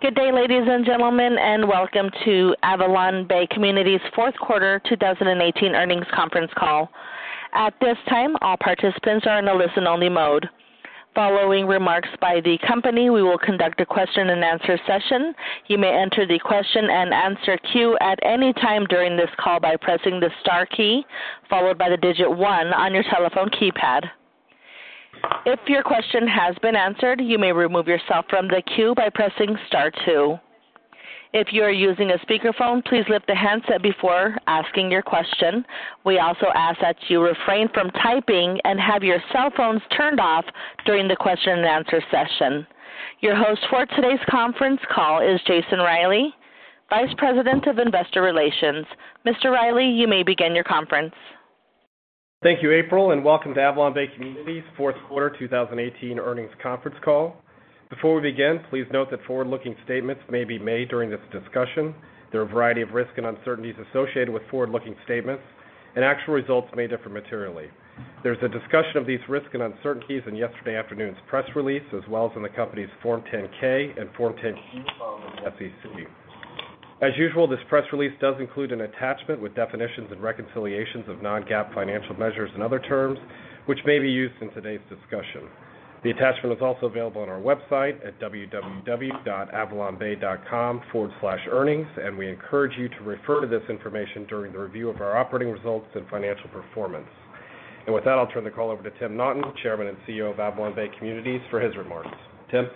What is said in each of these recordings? Good day, ladies and gentlemen, and welcome to AvalonBay Communities' fourth quarter 2018 earnings conference call. At this time, all participants are in a listen-only mode. Following remarks by the company, we will conduct a question-and-answer session. You may enter the question-and-answer queue at any time during this call by pressing the star key, followed by the digit 1 on your telephone keypad. If your question has been answered, you may remove yourself from the queue by pressing star two. If you are using a speakerphone, please lift the handset before asking your question. We also ask that you refrain from typing and have your cell phones turned off during the question and answer session. Your host for today's conference call is Jason Reilley, Vice President of Investor Relations. Mr. Reilley, you may begin your conference. Thank you, April, and welcome to AvalonBay Communities' fourth quarter 2018 earnings conference call. Before we begin, please note that forward-looking statements may be made during this discussion. There are a variety of risks and uncertainties associated with forward-looking statements, and actual results may differ materially. There's a discussion of these risks and uncertainties in yesterday afternoon's press release, as well as in the company's Form 10-K and Form 10-Q filed with the SEC. As usual, this press release does include an attachment with definitions and reconciliations of non-GAAP financial measures and other terms which may be used in today's discussion. The attachment is also available on our website at www.avalonbay.com/earnings, and we encourage you to refer to this information during the review of our operating results and financial performance. With that, I'll turn the call over to Tim Naughton, Chairman and CEO of AvalonBay Communities, for his remarks. Tim?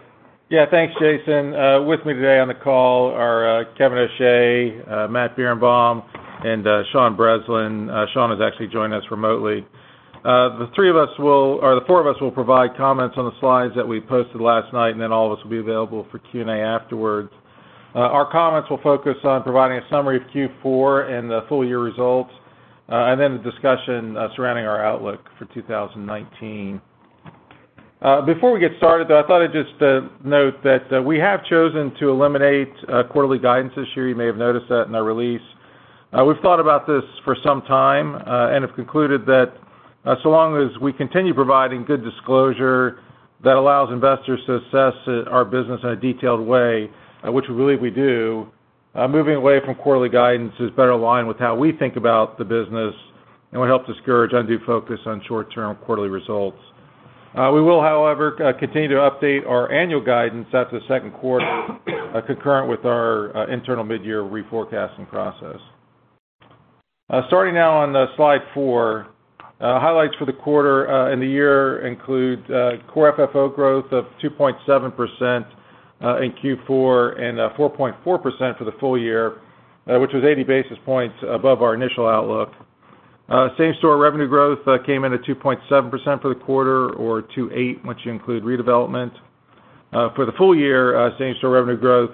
Yeah. Thanks, Jason. With me today on the call are Kevin O'Shea, Matt Birenbaum, and Sean Breslin. Sean is actually joining us remotely. The four of us will provide comments on the slides that we posted last night, then all of us will be available for Q&A afterwards. Our comments will focus on providing a summary of Q4 and the full-year results, then a discussion surrounding our outlook for 2019. Before we get started, though, I thought I'd just note that we have chosen to eliminate quarterly guidance this year. You may have noticed that in our release. We've thought about this for some time, have concluded that so long as we continue providing good disclosure that allows investors to assess our business in a detailed way, which we believe we do, moving away from quarterly guidance is better aligned with how we think about the business, will help discourage undue focus on short-term quarterly results. We will, however, continue to update our annual guidance at the second quarter, concurrent with our internal mid-year reforecasting process. Starting now on slide four, highlights for the quarter and the year include Core FFO growth of 2.7% in Q4 and 4.4% for the full year, which was 80 basis points above our initial outlook. Same-store revenue growth came in at 2.7% for the quarter, or 2.8%, once you include redevelopment. For the full year, same-store revenue growth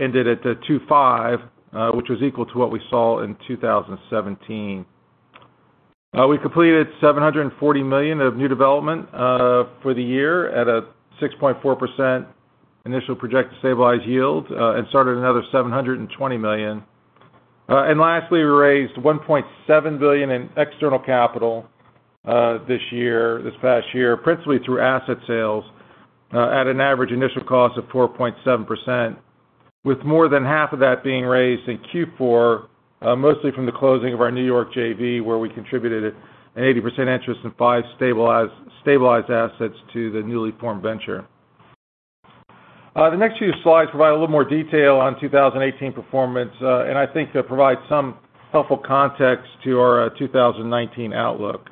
ended at 2.5%, which was equal to what we saw in 2017. We completed $740 million of new development for the year at a 6.4% initial projected stabilized yield and started another $720 million. Lastly, we raised $1.7 billion in external capital this past year, principally through asset sales, at an average initial cost of 4.7%, with more than half of that being raised in Q4, mostly from the closing of our New York JV, where we contributed an 80% interest in five stabilized assets to the newly formed venture. The next few slides provide a little more detail on 2018 performance, I think provide some helpful context to our 2019 outlook.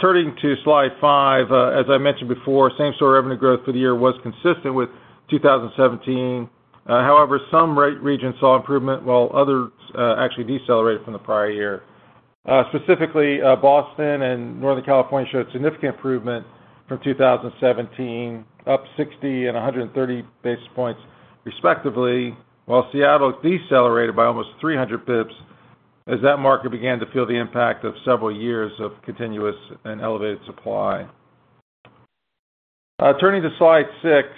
Turning to slide five, as I mentioned before, same-store revenue growth for the year was consistent with 2017. However, some regions saw improvement while others actually decelerated from the prior year. Specifically, Boston and Northern California showed significant improvement from 2017, up 60 and 130 basis points respectively, while Seattle decelerated by almost 300 basis points as that market began to feel the impact of several years of continuous and elevated supply. Turning to slide six.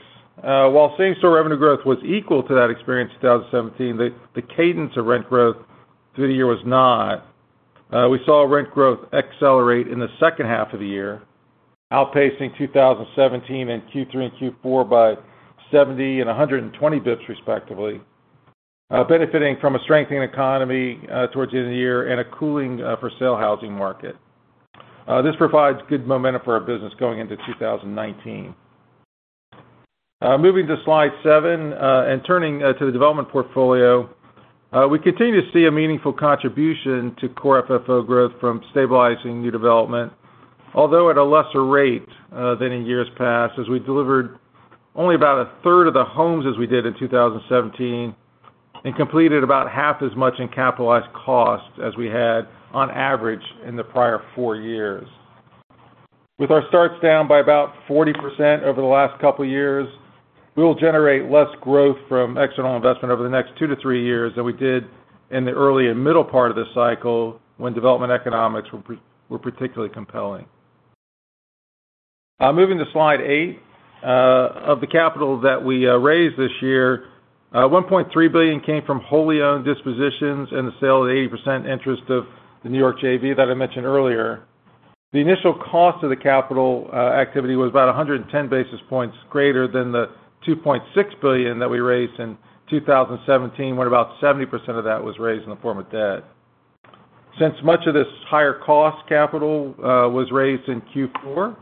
While same-store revenue growth was equal to that experienced in 2017, the cadence of rent growth through the year was not. We saw rent growth accelerate in the second half of the year, outpacing 2017 in Q3 and Q4 by 70 and 120 basis points respectively, benefiting from a strengthening economy towards the end of the year and a cooling for-sale housing market. This provides good momentum for our business going into 2019. Moving to slide seven, turning to the development portfolio, we continue to see a meaningful contribution to Core FFO growth from stabilizing new development, although at a lesser rate than in years past, as we delivered only about a third of the homes as we did in 2017 and completed about half as much in capitalized costs as we had on average in the prior four years. With our starts down by about 40% over the last couple years, we will generate less growth from external investment over the next two to three years than we did in the early and middle part of this cycle, when development economics were particularly compelling. Moving to slide eight. Of the capital that we raised this year, $1.3 billion came from wholly owned dispositions and the sale of 80% interest of the New York JV that I mentioned earlier. The initial cost of the capital activity was about 110 basis points greater than the $2.6 billion that we raised in 2017, where about 70% of that was raised in the form of debt. Since much of this higher cost capital was raised in Q4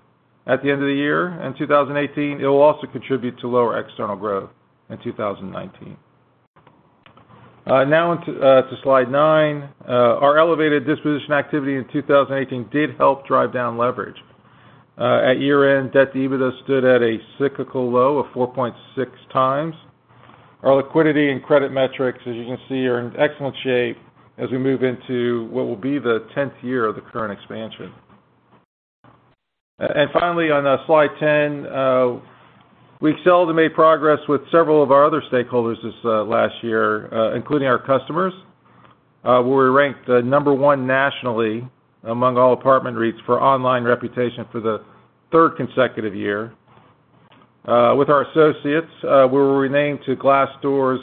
at the end of the year in 2018, it will also contribute to lower external growth in 2019. On to slide nine. Our elevated disposition activity in 2018 did help drive down leverage. At year-end, debt to EBITDA stood at a cyclical low of 4.6x. Our liquidity and credit metrics, as you can see, are in excellent shape as we move into what will be the 10th year of the current expansion. On slide 10, we've also made progress with several of our other stakeholders this last year, including our customers, where we ranked number one nationally among all apartment REITs for online reputation for the third consecutive year. With our associates, we were renamed to Glassdoor's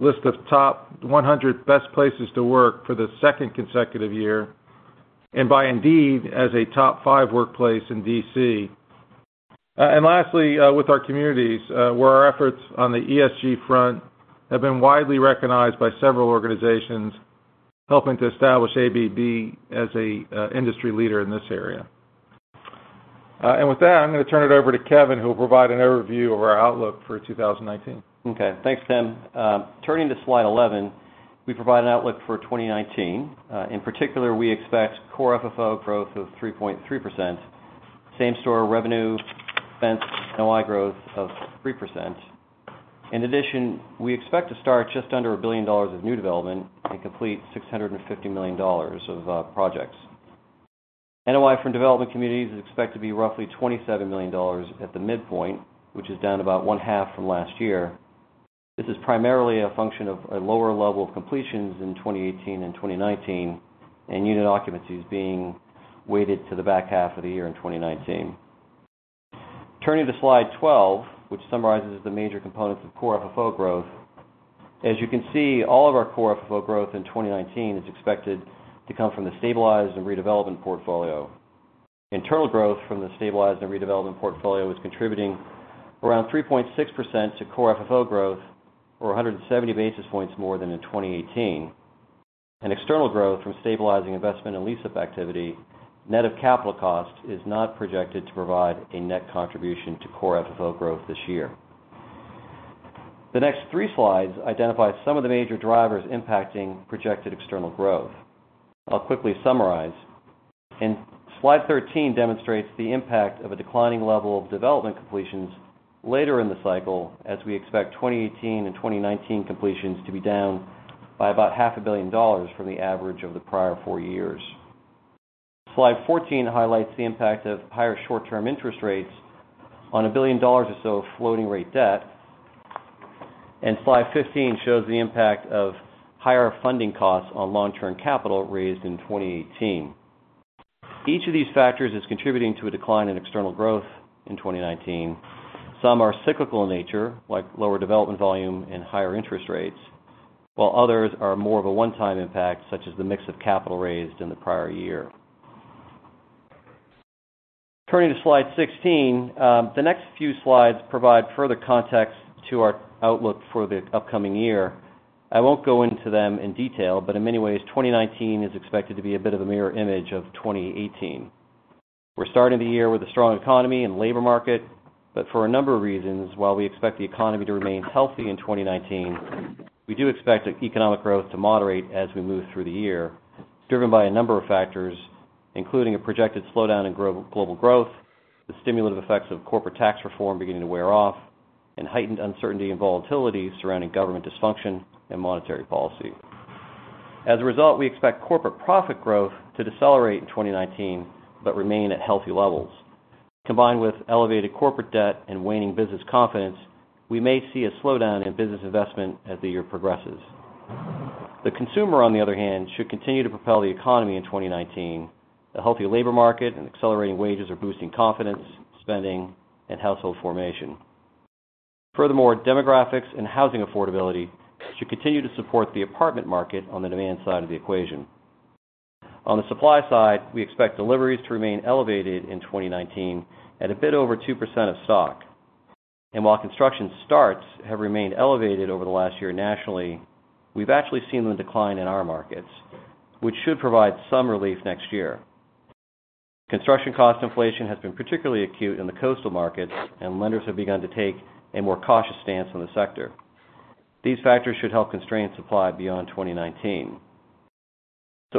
list of top 100 best places to work for the second consecutive year, and by Indeed as a top five workplace in D.C. Lastly, with our communities, where our efforts on the ESG front have been widely recognized by several organizations, helping to establish AVB as an industry leader in this area. With that, I'm going to turn it over to Kevin, who will provide an overview of our outlook for 2019. Okay. Thanks, Tim. Turning to slide 11, we provide an outlook for 2019. In particular, we expect Core FFO growth of 3.3%, same-store revenue, expense, NOI growth of 3%. In addition, we expect to start just under $1 billion of new development and complete $650 million of projects. NOI from development communities is expected to be roughly $27 million at the midpoint, which is down about 1/2 from last year. This is primarily a function of a lower level of completions in 2018 and 2019, and unit occupancies being weighted to the back half of the year in 2019. Turning to slide 12, which summarizes the major components of Core FFO growth. As you can see, all of our Core FFO growth in 2019 is expected to come from the stabilized and redevelopment portfolio. Internal growth from the stabilized and redevelopment portfolio is contributing around 3.6% to Core FFO growth or 170 basis points more than in 2018. External growth from stabilizing investment and lease-up activity, net of capital cost, is not projected to provide a net contribution to Core FFO growth this year. The next three slides identify some of the major drivers impacting projected external growth. I'll quickly summarize. Slide 13 demonstrates the impact of a declining level of development completions later in the cycle, as we expect 2018 and 2019 completions to be down by about $500 million dollars from the average of the prior four years. Slide 14 highlights the impact of higher short-term interest rates on $1 billion or so of floating rate debt. Slide 15 shows the impact of higher funding costs on long-term capital raised in 2018. Each of these factors is contributing to a decline in external growth in 2019. Some are cyclical in nature, like lower development volume and higher interest rates, while others are more of a one-time impact, such as the mix of capital raised in the prior year. Turning to slide 16. The next few slides provide further context to our outlook for the upcoming year. I won't go into them in detail, but in many ways, 2019 is expected to be a bit of a mirror image of 2018. For a number of reasons, while we expect the economy to remain healthy in 2019, we do expect economic growth to moderate as we move through the year. It's driven by a number of factors, including a projected slowdown in global growth, the stimulative effects of corporate tax reform beginning to wear off, and heightened uncertainty and volatility surrounding government dysfunction and monetary policy. As a result, we expect corporate profit growth to decelerate in 2019 but remain at healthy levels. Combined with elevated corporate debt and waning business confidence, we may see a slowdown in business investment as the year progresses. The consumer, on the other hand, should continue to propel the economy in 2019. The healthy labor market and accelerating wages are boosting confidence, spending, and household formation. Furthermore, demographics and housing affordability should continue to support the apartment market on the demand side of the equation. On the supply side, we expect deliveries to remain elevated in 2019 at a bit over 2% of stock. While construction starts have remained elevated over the last year nationally, we've actually seen them decline in our markets, which should provide some relief next year. Construction cost inflation has been particularly acute in the coastal markets, and lenders have begun to take a more cautious stance on the sector. These factors should help constrain supply beyond 2019.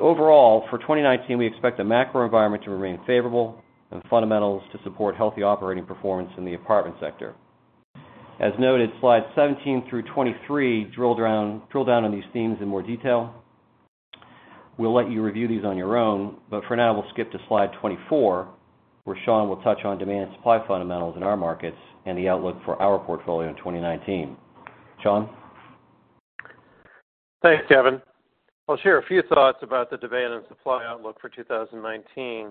Overall, for 2019, we expect the macro environment to remain favorable and fundamentals to support healthy operating performance in the apartment sector. As noted, slides 17 through 23 drill down on these themes in more detail. We'll let you review these on your own, but for now, we'll skip to slide 24, where Sean will touch on demand and supply fundamentals in our markets and the outlook for our portfolio in 2019. Sean? Thanks, Kevin. I'll share a few thoughts about the demand and supply outlook for 2019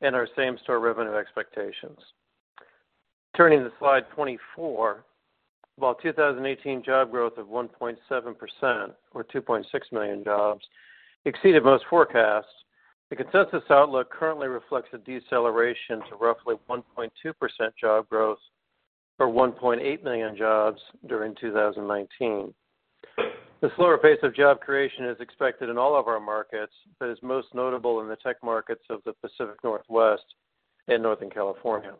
and our same-store revenue expectations. Turning to slide 24. While 2018 job growth of 1.7%, or 2.6 million jobs, exceeded most forecasts, the consensus outlook currently reflects a deceleration to roughly 1.2% job growth, or 1.8 million jobs during 2019. The slower pace of job creation is expected in all of our markets, but is most notable in the tech markets of the Pacific Northwest and Northern California.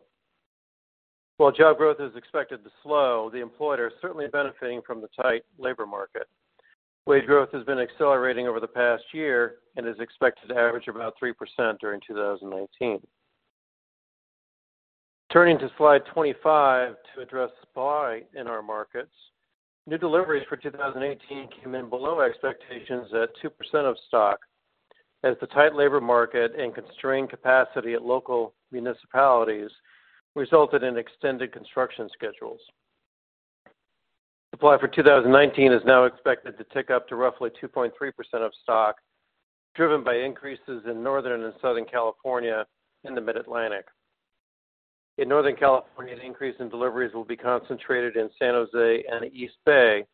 While job growth is expected to slow, the employer is certainly benefiting from the tight labor market. Wage growth has been accelerating over the past year and is expected to average about 3% during 2019. Turning to slide 25 to address supply in our markets. New deliveries for 2018 came in below expectations at 2% of stock, as the tight labor market and constrained capacity at local municipalities resulted in extended construction schedules. Supply for 2019 is now expected to tick up to roughly 2.3% of stock, driven by increases in Northern and Southern California and the Mid-Atlantic. In Northern California, the increase in deliveries will be concentrated in San Jose and East Bay,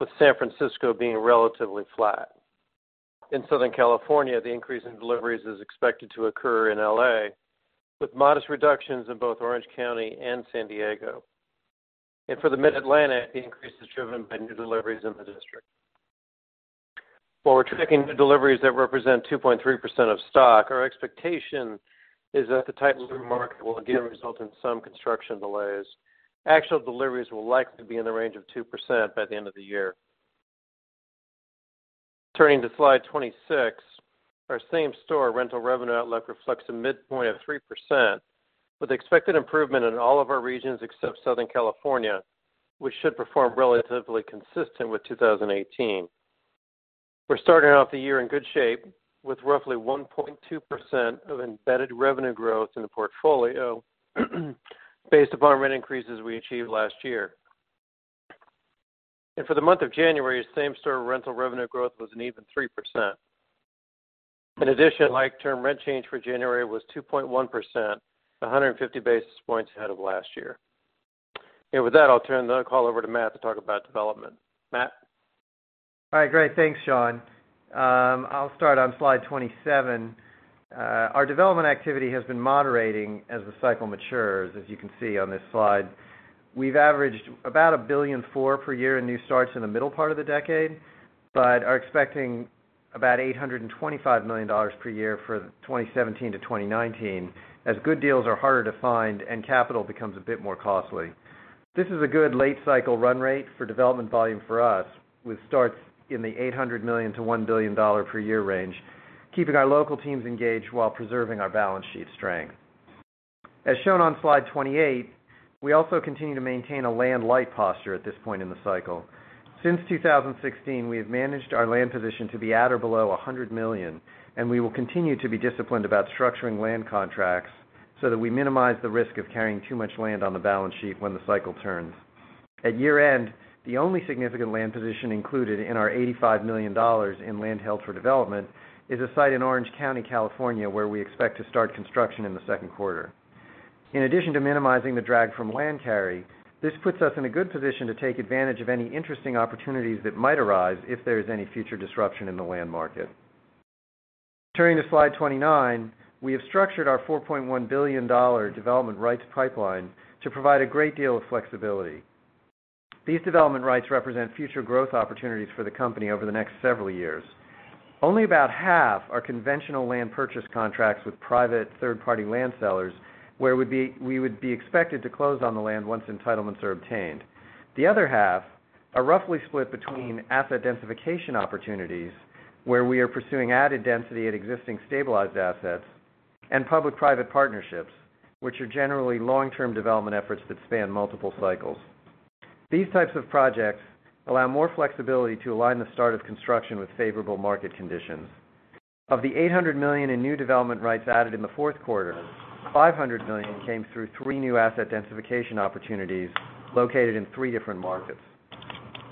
with San Francisco being relatively flat. In Southern California, the increase in deliveries is expected to occur in L.A., with modest reductions in both Orange County and San Diego. For the Mid-Atlantic, the increase is driven by new deliveries in the district. While we're tracking new deliveries that represent 2.3% of stock, our expectation is that the tight labor market will again result in some construction delays. Actual deliveries will likely be in the range of 2% by the end of the year. Turning to slide 26. Our same-store rental revenue outlook reflects a midpoint of 3%, with expected improvement in all of our regions except Southern California, which should perform relatively consistent with 2018. We're starting off the year in good shape with roughly 1.2% of embedded revenue growth in the portfolio based upon rent increases we achieved last year. For the month of January, same-store rental revenue growth was an even 3%. In addition, like-term rent change for January was 2.1%, 150 basis points ahead of last year. With that, I'll turn the call over to Matt to talk about development. Matt? All right, great. Thanks, Sean. I'll start on slide 27. Our development activity has been moderating as the cycle matures, as you can see on this slide. We've averaged about $1.4 billion per year in new starts in the middle part of the decade but are expecting about $825 million per year for 2017 to 2019, as good deals are harder to find and capital becomes a bit more costly. This is a good late cycle run rate for development volume for us, with starts in the $800 million to $1 billion per year range, keeping our local teams engaged while preserving our balance sheet strength. As shown on slide 28, we also continue to maintain a land-light posture at this point in the cycle. Since 2016, we have managed our land position to be at or below $100 million, we will continue to be disciplined about structuring land contracts so that we minimize the risk of carrying too much land on the balance sheet when the cycle turns. At year-end, the only significant land position included in our $85 million in land held for development is a site in Orange County, California, where we expect to start construction in the second quarter. In addition to minimizing the drag from land carry, this puts us in a good position to take advantage of any interesting opportunities that might arise if there is any future disruption in the land market. Turning to slide 29. We have structured our $4.1 billion development rights pipeline to provide a great deal of flexibility. These development rights represent future growth opportunities for the company over the next several years. Only about half are conventional land purchase contracts with private third-party land sellers, where we would be expected to close on the land once entitlements are obtained. The other half are roughly split between asset densification opportunities, where we are pursuing added density at existing stabilized assets, and public-private partnerships, which are generally long-term development efforts that span multiple cycles. These types of projects allow more flexibility to align the start of construction with favorable market conditions. Of the $800 million in new development rights added in the fourth quarter, $500 million came through three new asset densification opportunities located in three different markets.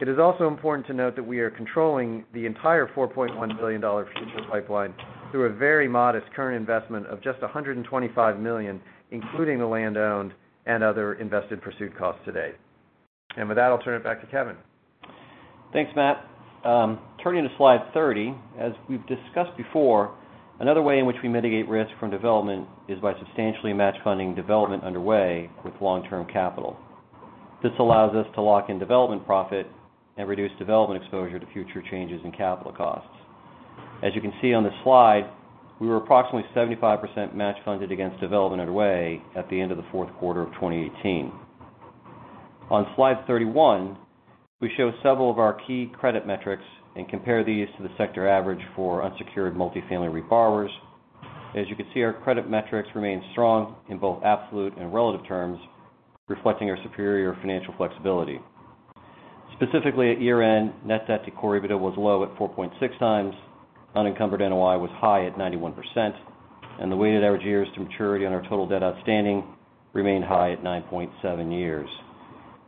It is also important to note that we are controlling the entire $4.1 billion future pipeline through a very modest current investment of just $125 million, including the land owned and other invested pursuit costs to date. With that, I'll turn it back to Kevin. Thanks, Matt. Turning to slide 30. As we've discussed before, another way in which we mitigate risk from development is by substantially match-funding development underway with long-term capital. This allows us to lock in development profit and reduce development exposure to future changes in capital costs. As you can see on the slide, we were approximately 75% match-funded against development underway at the end of the fourth quarter of 2018. On slide 31, we show several of our key credit metrics and compare these to the sector average for unsecured multifamily reborrowers. As you can see, our credit metrics remain strong in both absolute and relative terms, reflecting our superior financial flexibility. Specifically, at year-end, net debt to Core EBITDA was low at 4.6x, Unencumbered NOI was high at 91%, and the weighted average years to maturity on our total debt outstanding remained high at 9.7 years.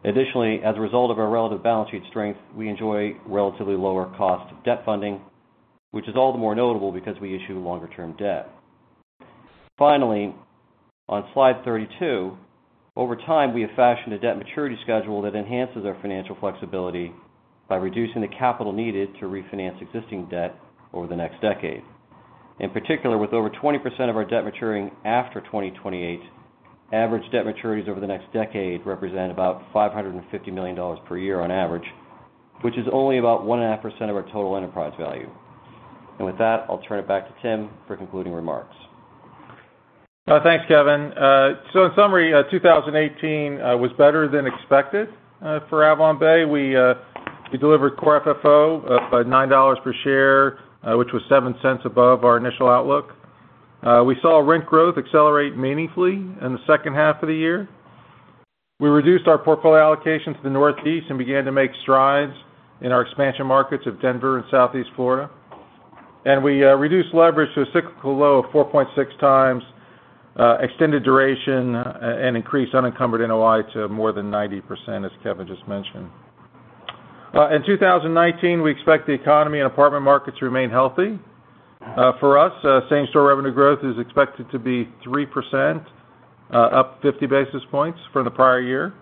Additionally, as a result of our relative balance sheet strength, we enjoy relatively lower cost of debt funding, which is all the more notable because we issue longer-term debt. Finally, on slide 32, over time, we have fashioned a debt maturity schedule that enhances our financial flexibility by reducing the capital needed to refinance existing debt over the next decade. In particular, with over 20% of our debt maturing after 2028, average debt maturities over the next decade represent about $550 million per year on average, which is only about one and a half % of our total enterprise value. With that, I'll turn it back to Tim for concluding remarks. Thanks, Kevin. In summary, 2018 was better than expected for AvalonBay Communities. We delivered Core FFO of $9 per share, which was $0.07 above our initial outlook. We saw rent growth accelerate meaningfully in the second half of the year. We reduced our portfolio allocation to the Northeast and began to make strides in our expansion markets of Denver and Southeast Florida. We reduced leverage to a cyclical low of 4.6x, extended duration, and increased Unencumbered NOI to more than 90%, as Kevin just mentioned. In 2019, we expect the economy and apartment markets to remain healthy. For us, same-store revenue growth is expected to be 3%, up 50 basis points from the prior year.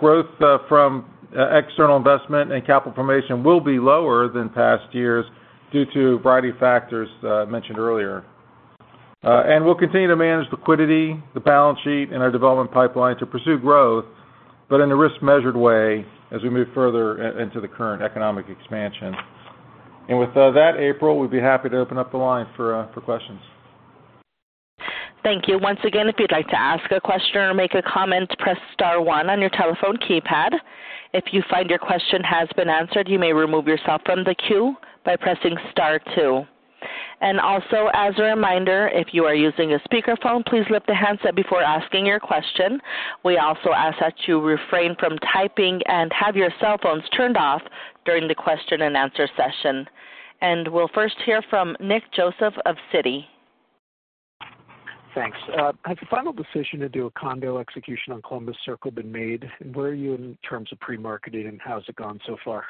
Growth from external investment and capital formation will be lower than past years due to a variety of factors mentioned earlier. We'll continue to manage liquidity, the balance sheet, and our development pipeline to pursue growth, but in a risk-measured way as we move further into the current economic expansion. With that, April, we'd be happy to open up the line for questions. Thank you. Once again, if you'd like to ask a question or make a comment, press star one on your telephone keypad. If you find your question has been answered, you may remove yourself from the queue by pressing star two. As a reminder, if you are using a speakerphone, please lift the handset before asking your question. We also ask that you refrain from typing and have your cell phones turned off during the question-and-answer session. We'll first hear from Nick Joseph of Citi. Thanks. Has the final decision to do a condo execution on Columbus Circle been made? Where are you in terms of pre-marketing, and how has it gone so far?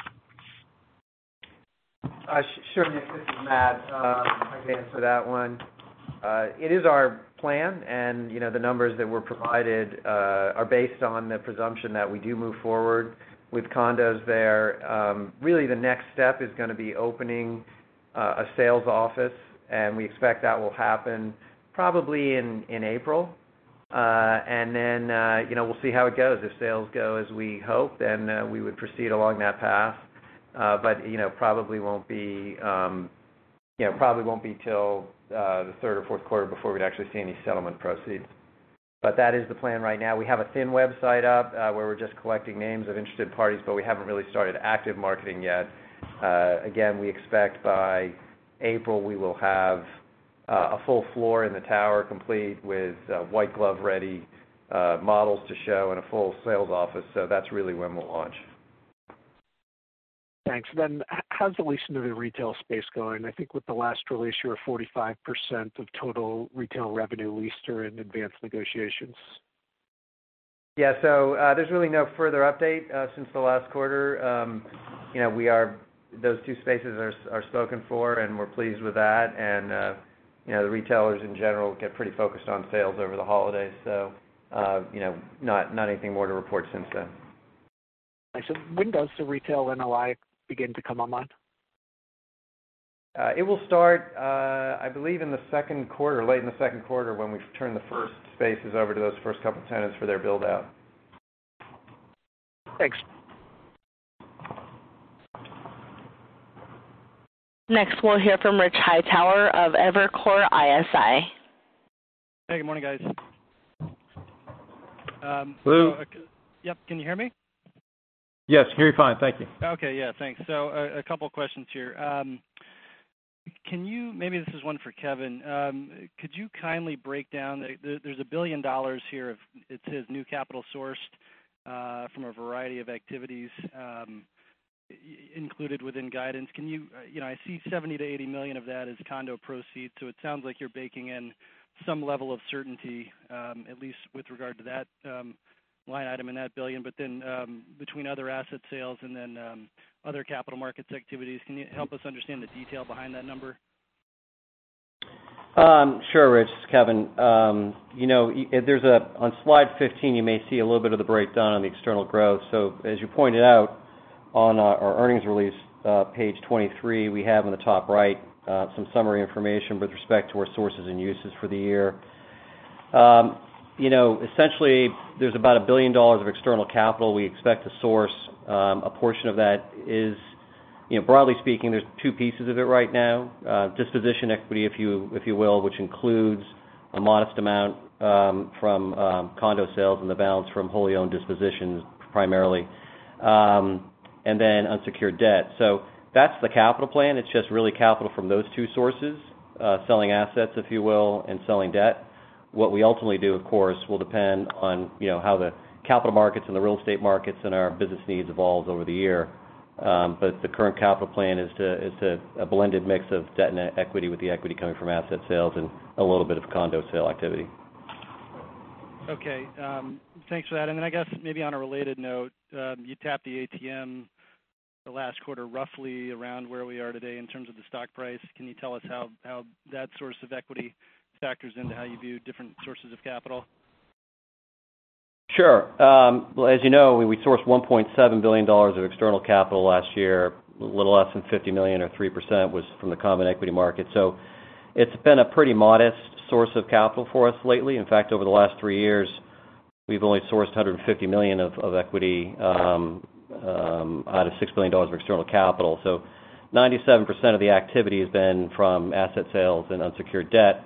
Sure, Nick, this is Matt. I can answer that one. It is our plan, and the numbers that were provided are based on the presumption that we do move forward with condos there. Really, the next step is going to be opening a sales office, and we expect that will happen probably in April. We'll see how it goes. If sales go as we hope, then we would proceed along that path. Probably won't be till the third or fourth quarter before we'd actually see any settlement proceeds. That is the plan right now. We have a thin website up where we're just collecting names of interested parties, but we haven't really started active marketing yet. Again, we expect by April we will have a full floor in the tower, complete with white glove-ready models to show and a full sales office. That's really when we'll launch. Thanks. How's the leasing of the retail space going? I think with the last release, you were 45% of total retail revenue leased or in advanced negotiations. Yeah. There's really no further update since the last quarter. Those two spaces are spoken for, and we're pleased with that. The retailers, in general, get pretty focused on sales over the holidays. Not anything more to report since then. When does the retail NOI begin to come online? It will start, I believe, in the second quarter, late in the second quarter, when we turn the first spaces over to those first couple tenants for their build-out. Thanks. Next, we'll hear from Rich Hightower of Evercore ISI. Hey, good morning, guys. Hello. Yep. Can you hear me? Yes, can hear you fine. Thank you. Okay. Yeah. Thanks. A couple of questions here. Maybe this is one for Kevin. Could you kindly break down, there's $1 billion here of, it says, new capital sourced from a variety of activities included within guidance. I see $70 million-$80 million of that is condo proceeds, so it sounds like you're baking in some level of certainty, at least with regard to that line item in that $1 billion. Between other asset sales and other capital markets activities, can you help us understand the detail behind that number? Sure, Rich. This is Kevin. On slide 15, you may see a little bit of the breakdown on the external growth. As you pointed out on our earnings release, page 23, we have in the top right some summary information with respect to our sources and uses for the year. Essentailly, there's about $1 billion of external capital we expect to source. A portion of that is, broadly speaking, there's two pieces of it right now. Disposition equity, if you will, which includes a modest amount from condo sales and the balance from wholly owned dispositions primarily, and then unsecured debt. That's the capital plan. It's just really capital from those two sources, selling assets, if you will, and selling debt. What we ultimately do, of course, will depend on how the capital markets and the real estate markets and our business needs evolve over the year. The current capital plan is a blended mix of debt and equity with the equity coming from asset sales and a little bit of condo sale activity. Okay. Thanks for that. I guess maybe on a related note, you tapped the ATM the last quarter roughly around where we are today in terms of the stock price. Can you tell us how that source of equity factors into how you view different sources of capital? Sure. Well, as you know, we sourced $1.7 billion of external capital last year. A little less than $50 million or 3% was from the common equity market. It's been a pretty modest source of capital for us lately. In fact, over the last three years, we've only sourced $150 million of equity out of $6 billion of external capital. 97% of the activity has been from asset sales and unsecured debt.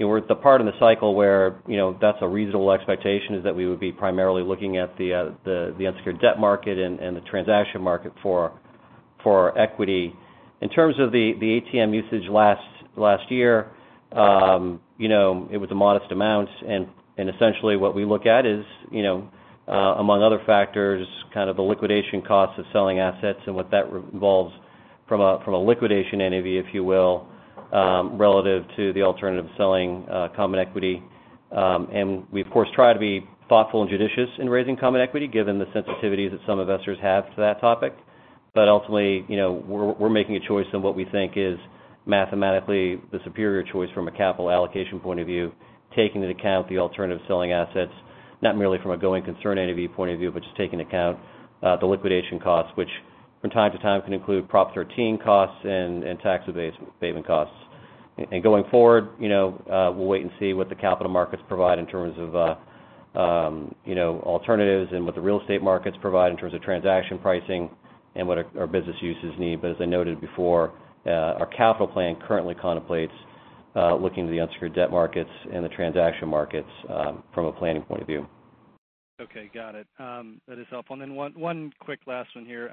We're at the part in the cycle where that's a reasonable expectation, is that we would be primarily looking at the unsecured debt market and the transaction market for our equity. In terms of the ATM usage last year, it was a modest amount. Essentially what we look at is, among other factors, kind of the liquidation cost of selling assets and what that involves from a liquidation NAV, if you will, relative to the alternative of selling common equity. We, of course, try to be thoughtful and judicious in raising common equity, given the sensitivities that some investors have to that topic. Ultimately, we're making a choice on what we think is mathematically the superior choice from a capital allocation point of view, taking into account the alternative selling assets, not merely from a going concern NAV point of view, but just taking account the liquidation costs, which from time to time can include Proposition 13 costs and tax abatement costs. Going forward, we'll wait and see what the capital markets provide in terms of alternatives and what the real estate markets provide in terms of transaction pricing and what our business uses need. As I noted before, our capital plan currently contemplates looking to the unsecured debt markets and the transaction markets from a planning point of view. Okay, got it. That is helpful. One quick last one here.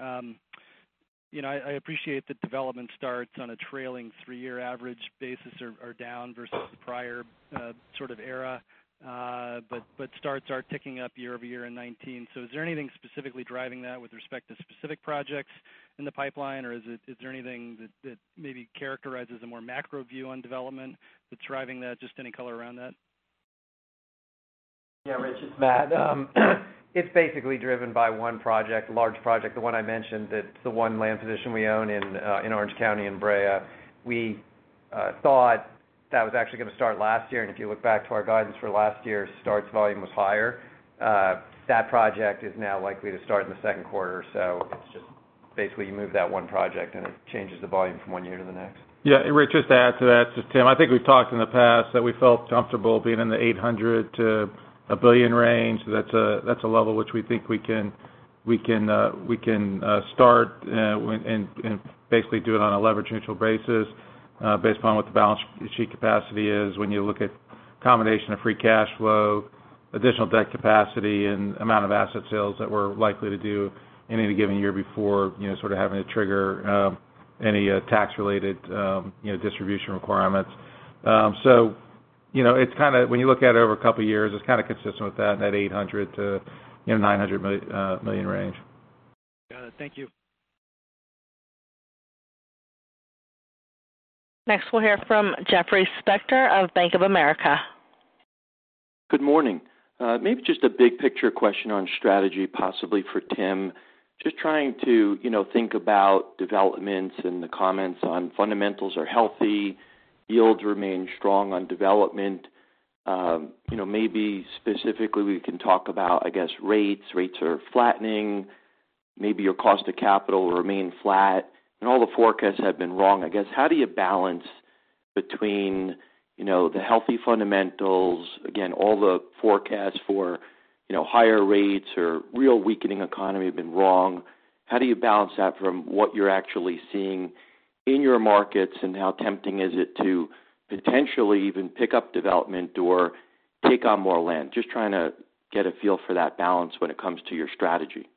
I appreciate the development starts on a trailing three-year average basis are down versus the prior sort of era. Starts are ticking up year-over-year in 2019. Is there anything specifically driving that with respect to specific projects in the pipeline, or is there anything that maybe characterizes a more macro view on development that's driving that? Just any color around that. Yeah, Rich, it's Matt. It's basically driven by one project, a large project, the one I mentioned that's the one land position we own in Orange County in Brea. We thought that was actually going to start last year, and if you look back to our guidance for last year, starts volume was higher. That project is now likely to start in the second quarter. It's just basically you move that one project, and it changes the volume from one year to the next. Yeah, Rich, just to add to that, it's Tim. I think we've talked in the past that we felt comfortable being in the $800 million to $1 billion range. That's a level which we think we can start and basically do it on a leverage-neutral basis based upon what the balance sheet capacity is when you look at combination of free cash flow, additional debt capacity, and amount of asset sales that we're likely to do in any given year before sort of having to trigger any tax-related distribution requirements. When you look at it over a couple of years, it's kind of consistent with that in that $800 million-$900 million range. Got it. Thank you. Next, we'll hear from Jeffrey Spector of Bank of America. Good morning. Maybe just a big picture question on strategy, possibly for Tim. Just trying to think about developments and the comments on fundamentals are healthy, yields remain strong on development. Maybe specifically, we can talk about, I guess, rates. Rates are flattening. Maybe your cost of capital will remain flat, and all the forecasts have been wrong. I guess, how do you balance between the healthy fundamentals, again, all the forecasts for higher rates or real weakening economy have been wrong. How do you balance that from what you're actually seeing in your markets, and how tempting is it to potentially even pick up development or take on more land? Just trying to get a feel for that balance when it comes to your strategy.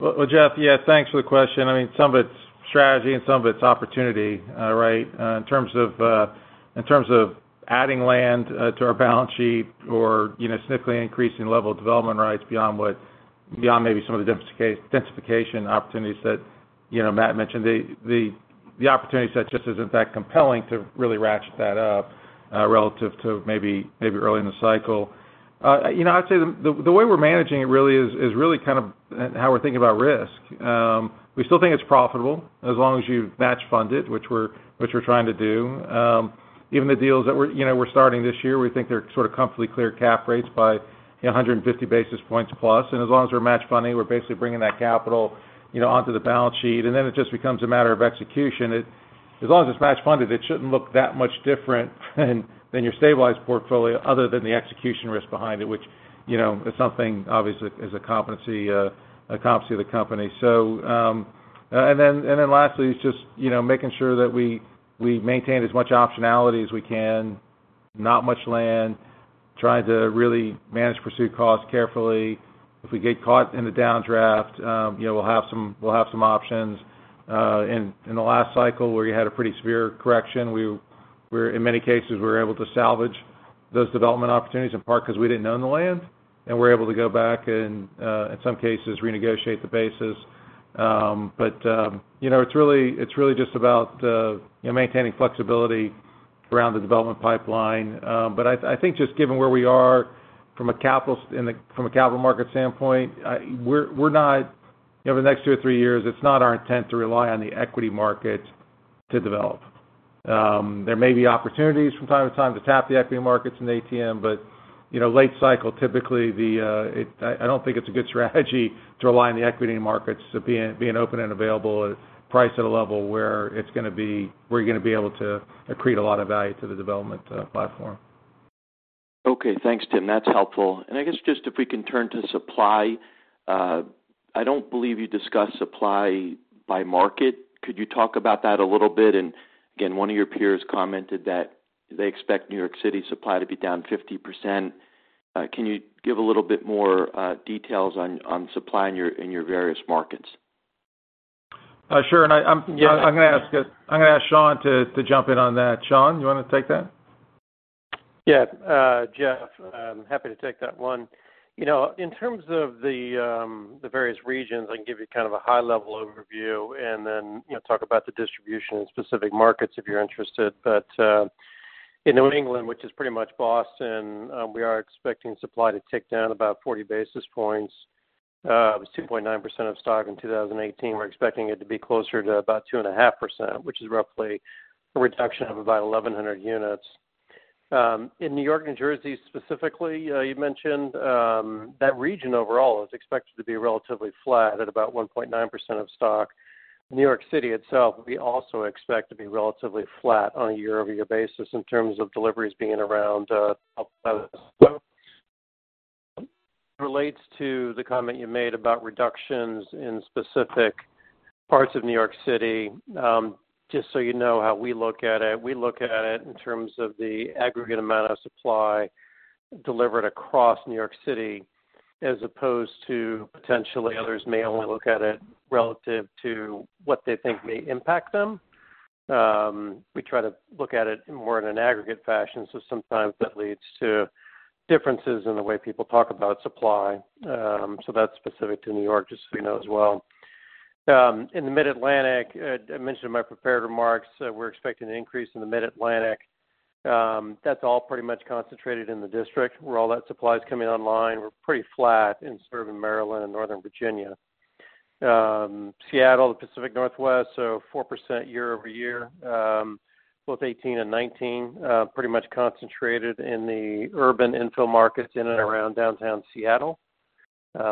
Well, Jeff, yeah, thanks for the question. Some of it's strategy and some of it's opportunity, right? In terms of adding land to our balance sheet or significantly increasing level of development rights beyond maybe some of the densification opportunities that Matt mentioned. The opportunity set just isn't that compelling to really ratchet that up relative to maybe early in the cycle. I'd say the way we're managing it really is kind of how we're thinking about risk. We still think it's profitable as long as you've match-funded, which we're trying to do. Even the deals that we're starting this year, we think they're sort of comfortably clear cap rates by 150 basis points plus. As long as we're match funding, we're basically bringing that capital onto the balance sheet, and then it just becomes a matter of execution. As long as it's match funded, it shouldn't look that much different than your stabilized portfolio other than the execution risk behind it, which is something obviously is a competency of the company. Lastly is just making sure that we maintain as much optionality as we can. Not much land. Trying to really manage pursuit costs carefully. If we get caught in the downdraft, we'll have some options. In the last cycle where you had a pretty severe correction, in many cases, we were able to salvage those development opportunities in part because we didn't own the land, and we're able to go back and, in some cases, renegotiate the basis. It's really just about maintaining flexibility around the development pipeline. I think just given where we are from a capital market standpoint, over the next two or three years, it's not our intent to rely on the equity markets to develop. There may be opportunities from time to time to tap the equity markets in the ATM, but late cycle, typically, I don't think it's a good strategy to rely on the equity markets being open and available at a price at a level where we're going to be able to accrete a lot of value to the development platform. Okay. Thanks, Tim, that's helpful. I guess just if we can turn to supply. I don't believe you discussed supply by market. Could you talk about that a little bit? Again, one of your peers commented that they expect New York City supply to be down 50%. Can you give a little bit more details on supply in your various markets? Sure. I'm going to ask Sean to jump in on that. Sean, you want to take that? Yeah. Jeff, happy to take that one. In terms of the various regions, I can give you kind of a high-level overview and then talk about the distribution in specific markets, if you're interested. In New England, which is pretty much Boston, we are expecting supply to tick down about 40 basis points. It was 2.9% of stock in 2018. We're expecting it to be closer to about 2.5%, which is roughly a reduction of about 1,100 units. In New York, New Jersey specifically, you mentioned that region overall is expected to be relatively flat at about 1.9% of stock. New York City itself, we also expect to be relatively flat on a year-over-year basis in terms of deliveries. Relates to the comment you made about reductions in specific parts of New York City. Just so you know how we look at it, we look at it in terms of the aggregate amount of supply delivered across New York City as opposed to potentially others may only look at it relative to what they think may impact them. We try to look at it more in an aggregate fashion, so sometimes that leads to differences in the way people talk about supply. That's specific to New York, just so you know as well. In the Mid-Atlantic, I mentioned in my prepared remarks, we're expecting an increase in the Mid-Atlantic. That's all pretty much concentrated in the district where all that supply's coming online. We're pretty flat in suburban Maryland and Northern Virginia. Seattle, the Pacific Northwest, 4% year-over-year, both 2018 and 2019. Pretty much concentrated in the urban infill markets in and around downtown Seattle,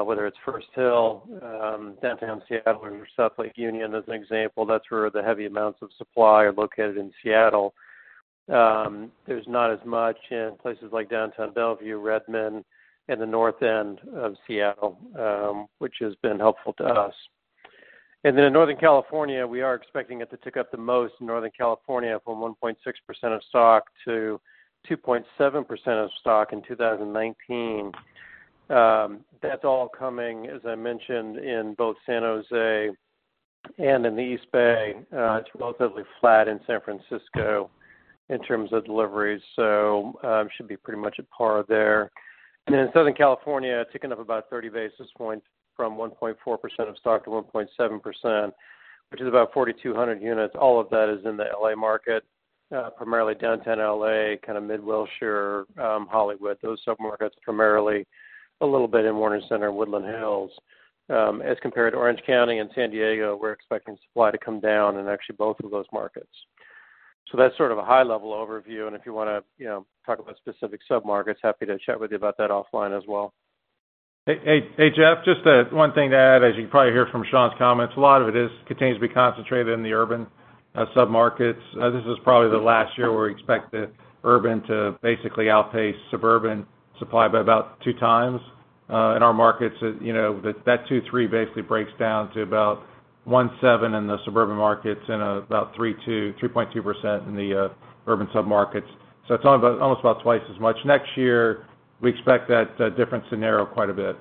whether it's First Hill, Downtown Seattle, or South Lake Union, as an example. That's where the heavy amounts of supply are located in Seattle. There's not as much in places like downtown Bellevue, Redmond, and the North End of Seattle, which has been helpful to us. In Northern California, we are expecting it to tick up the most in Northern California from 1.6% of stock to 2.7% of stock in 2019. That's all coming, as I mentioned, in both San Jose and in the East Bay. It's relatively flat in San Francisco in terms of deliveries, so should be pretty much at par there. In Southern California, ticking up about 30 basis points from 1.4% of stock to 1.7%, which is about 4,200 units. All of that is in the L.A. market, primarily downtown L.A., kind of Mid-Wilshire, Hollywood, those submarkets primarily. A little bit in Warner Center and Woodland Hills. As compared to Orange County and San Diego, we're expecting supply to come down in actually both of those markets. That's sort of a high-level overview, and if you want to talk about specific submarkets, happy to chat with you about that offline as well. Hey, Jeff, just one thing to add. As you can probably hear from Sean's comments, a lot of it continues to be concentrated in the urban submarkets. This is probably the last year where we expect the urban to basically outpace suburban supply by about 2x. In our markets, that 2.3% breaks down to about 1.7% in the suburban markets and about 3.2, 3.2% in the urban submarkets. It's almost about twice as much. Next year, we expect that difference to narrow quite a bit.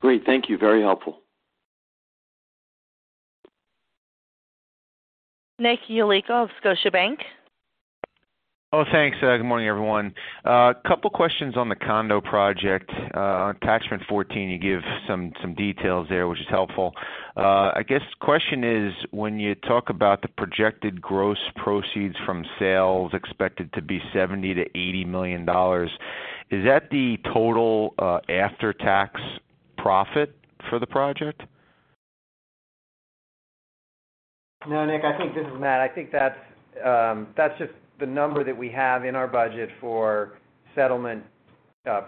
Great. Thank you. Very helpful. Nick Yulico of Scotiabank. Oh, thanks. Good morning, everyone. Couple questions on the condo project. On attachment 14, you give some details there, which is helpful. I guess the question is, when you talk about the projected gross proceeds from sales expected to be $70 million-$80 million, is that the total after-tax profit for the project? No, Nick. I think—this is Matt—I think that's just the number that we have in our budget for settlement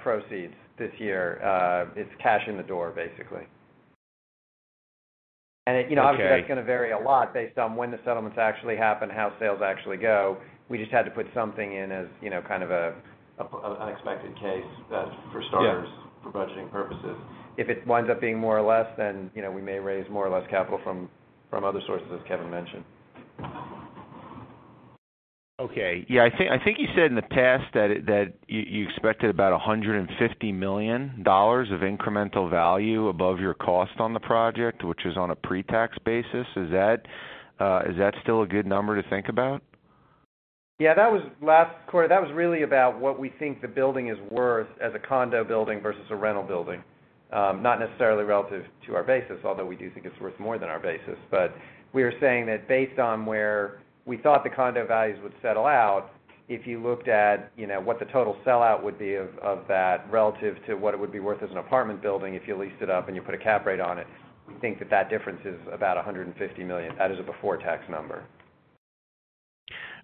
proceeds this year. It's cash in the door, basically. Okay That's going to vary a lot based on when the settlements actually happen, how sales actually go. We just had to put something in as kind of an expected case for starters. Yeah For budgeting purposes. If it winds up being more or less, we may raise more or less capital from other sources, as Kevin mentioned. Okay. Yeah. I think you said in the past that you expected about $150 million of incremental value above your cost on the project, which is on a pre-tax basis. Is that still a good number to think about? Yeah. That was really about what we think the building is worth as a condo building versus a rental building, not necessarily relative to our basis, although we do think it's worth more than our basis. We are saying that based on where we thought the condo values would settle out, if you looked at what the total sellout would be of that relative to what it would be worth as an apartment building if you leased it up and you put a cap rate on it, we think that difference is about $150 million. That is a before-tax number.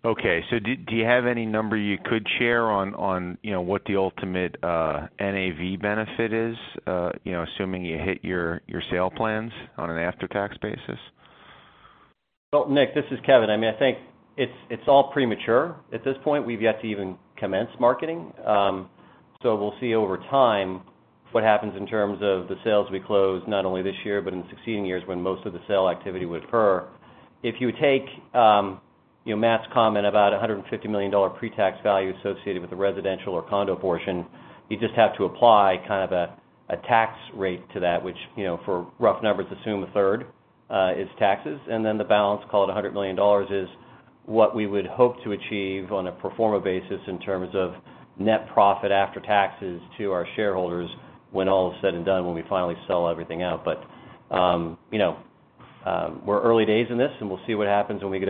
Okay. Do you have any number you could share on what the ultimate NAV benefit is, assuming you hit your sale plans on an after-tax basis? Nick, this is Kevin. I think it's all premature at this point. We've yet to even commence marketing. We'll see over time what happens in terms of the sales we close, not only this year but in succeeding years when most of the sale activity would occur. If you take Matt's comment about $150 million pre-tax value associated with the residential or condo portion, you just have to apply kind of a tax rate to that, which, for rough numbers, assume 1/3 is taxes, and then the balance, call it $100 million, is what we would hope to achieve on a pro forma basis in terms of net profit after taxes to our shareholders when all is said and done, when we finally sell everything out. We're early days in this, and we'll see what happens when we go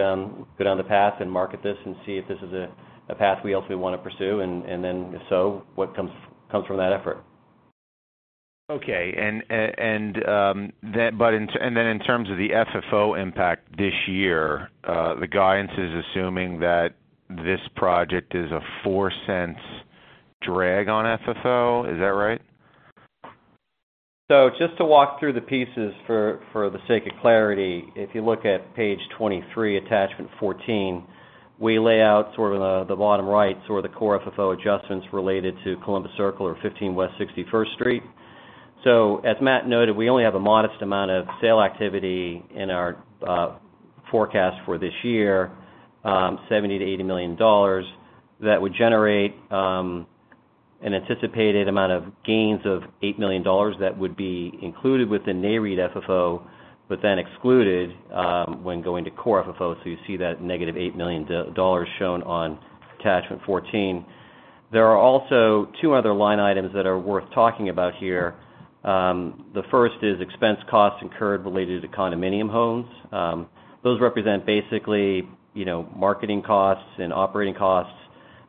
down the path and market this and see if this is a path we ultimately want to pursue, and then if so, what comes from that effort. Okay. In terms of the FFO impact this year, the guidance is assuming that this project is a $0.04 drag on FFO. Is that right? Just to walk through the pieces for the sake of clarity, if you look at page 23, attachment 14, we lay out sort of the bottom right, sort of the Core FFO adjustments related to Columbus Circle or 15 West 61st Street. As Matt noted, we only have a modest amount of sale activity in our forecast for this year, $70 million-$80 million. That would generate an anticipated amount of gains of $8 million that would be included within NAREIT FFO but then excluded when going to Core FFO. You see that -$8 million shown on attachment 14. There are also two other line items that are worth talking about here. The first is expense costs incurred related to condominium homes. Those represent basically marketing costs and operating costs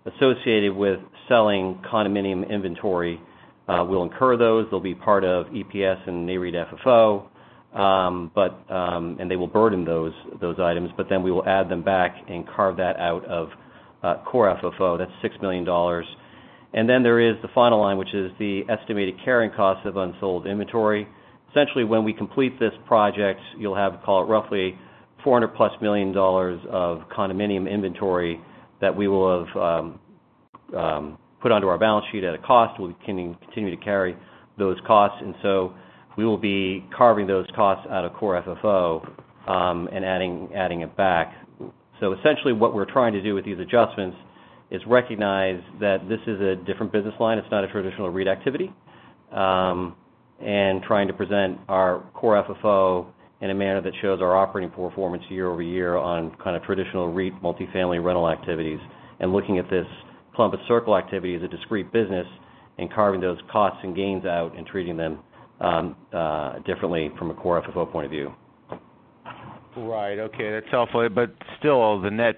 associated with selling condominium inventory. We'll incur those. They'll be part of EPS and NAREIT FFO. They will burden those items, we will add them back and carve that out of Core FFO. That's $6 million. There is the final line, which is the estimated carrying cost of unsold inventory. Essentially, when we complete this project, you'll have, call it, roughly $400+ million of condominium inventory that we will have put onto our balance sheet at a cost. We can continue to carry those costs. We will be carving those costs out of Core FFO, and adding it back. Essentially, what we're trying to do with these adjustments is recognize that this is a different business line. It's not a traditional REIT activity, trying to present our Core FFO in a manner that shows our operating performance year-over-year on kind of traditional REIT multifamily rental activities, and looking at this Columbus Circle activity as a discrete business and carving those costs and gains out and treating them differently from a Core FFO point of view. Right. Okay. That's helpful. Still, the net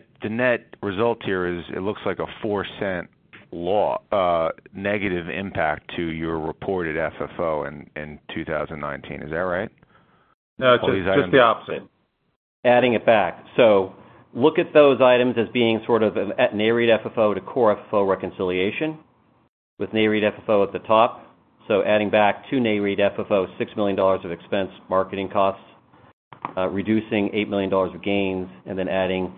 result here is it looks like a $0.04 negative impact to your reported FFO in 2019. Is that right? No, it's just the opposite. Adding it back. Look at those items as being sort of a NAREIT FFO to Core FFO reconciliation, with NAREIT FFO at the top. Adding back to NAREIT FFO $6 million of expense marketing costs, reducing $8 million of gains, and then adding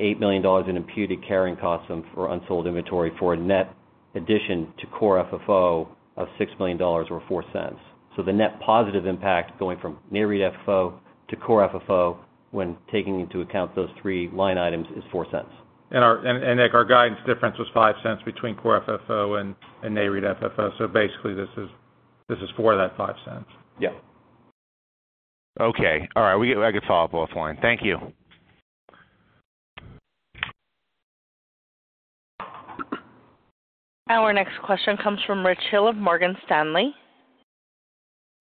$8 million in imputed carrying costs for unsold inventory for a net addition to Core FFO of $6 million or $0.04. The net positive impact going from NAREIT FFO to Core FFO when taking into account those three-line items is $0.04. Nick, our guidance difference was $0.05 between Core FFO and NAREIT FFO. Basically, this is for that $0.05. Yeah. Okay. All right. I could follow up offline. Thank you. Our next question comes from Rich Hill of Morgan Stanley.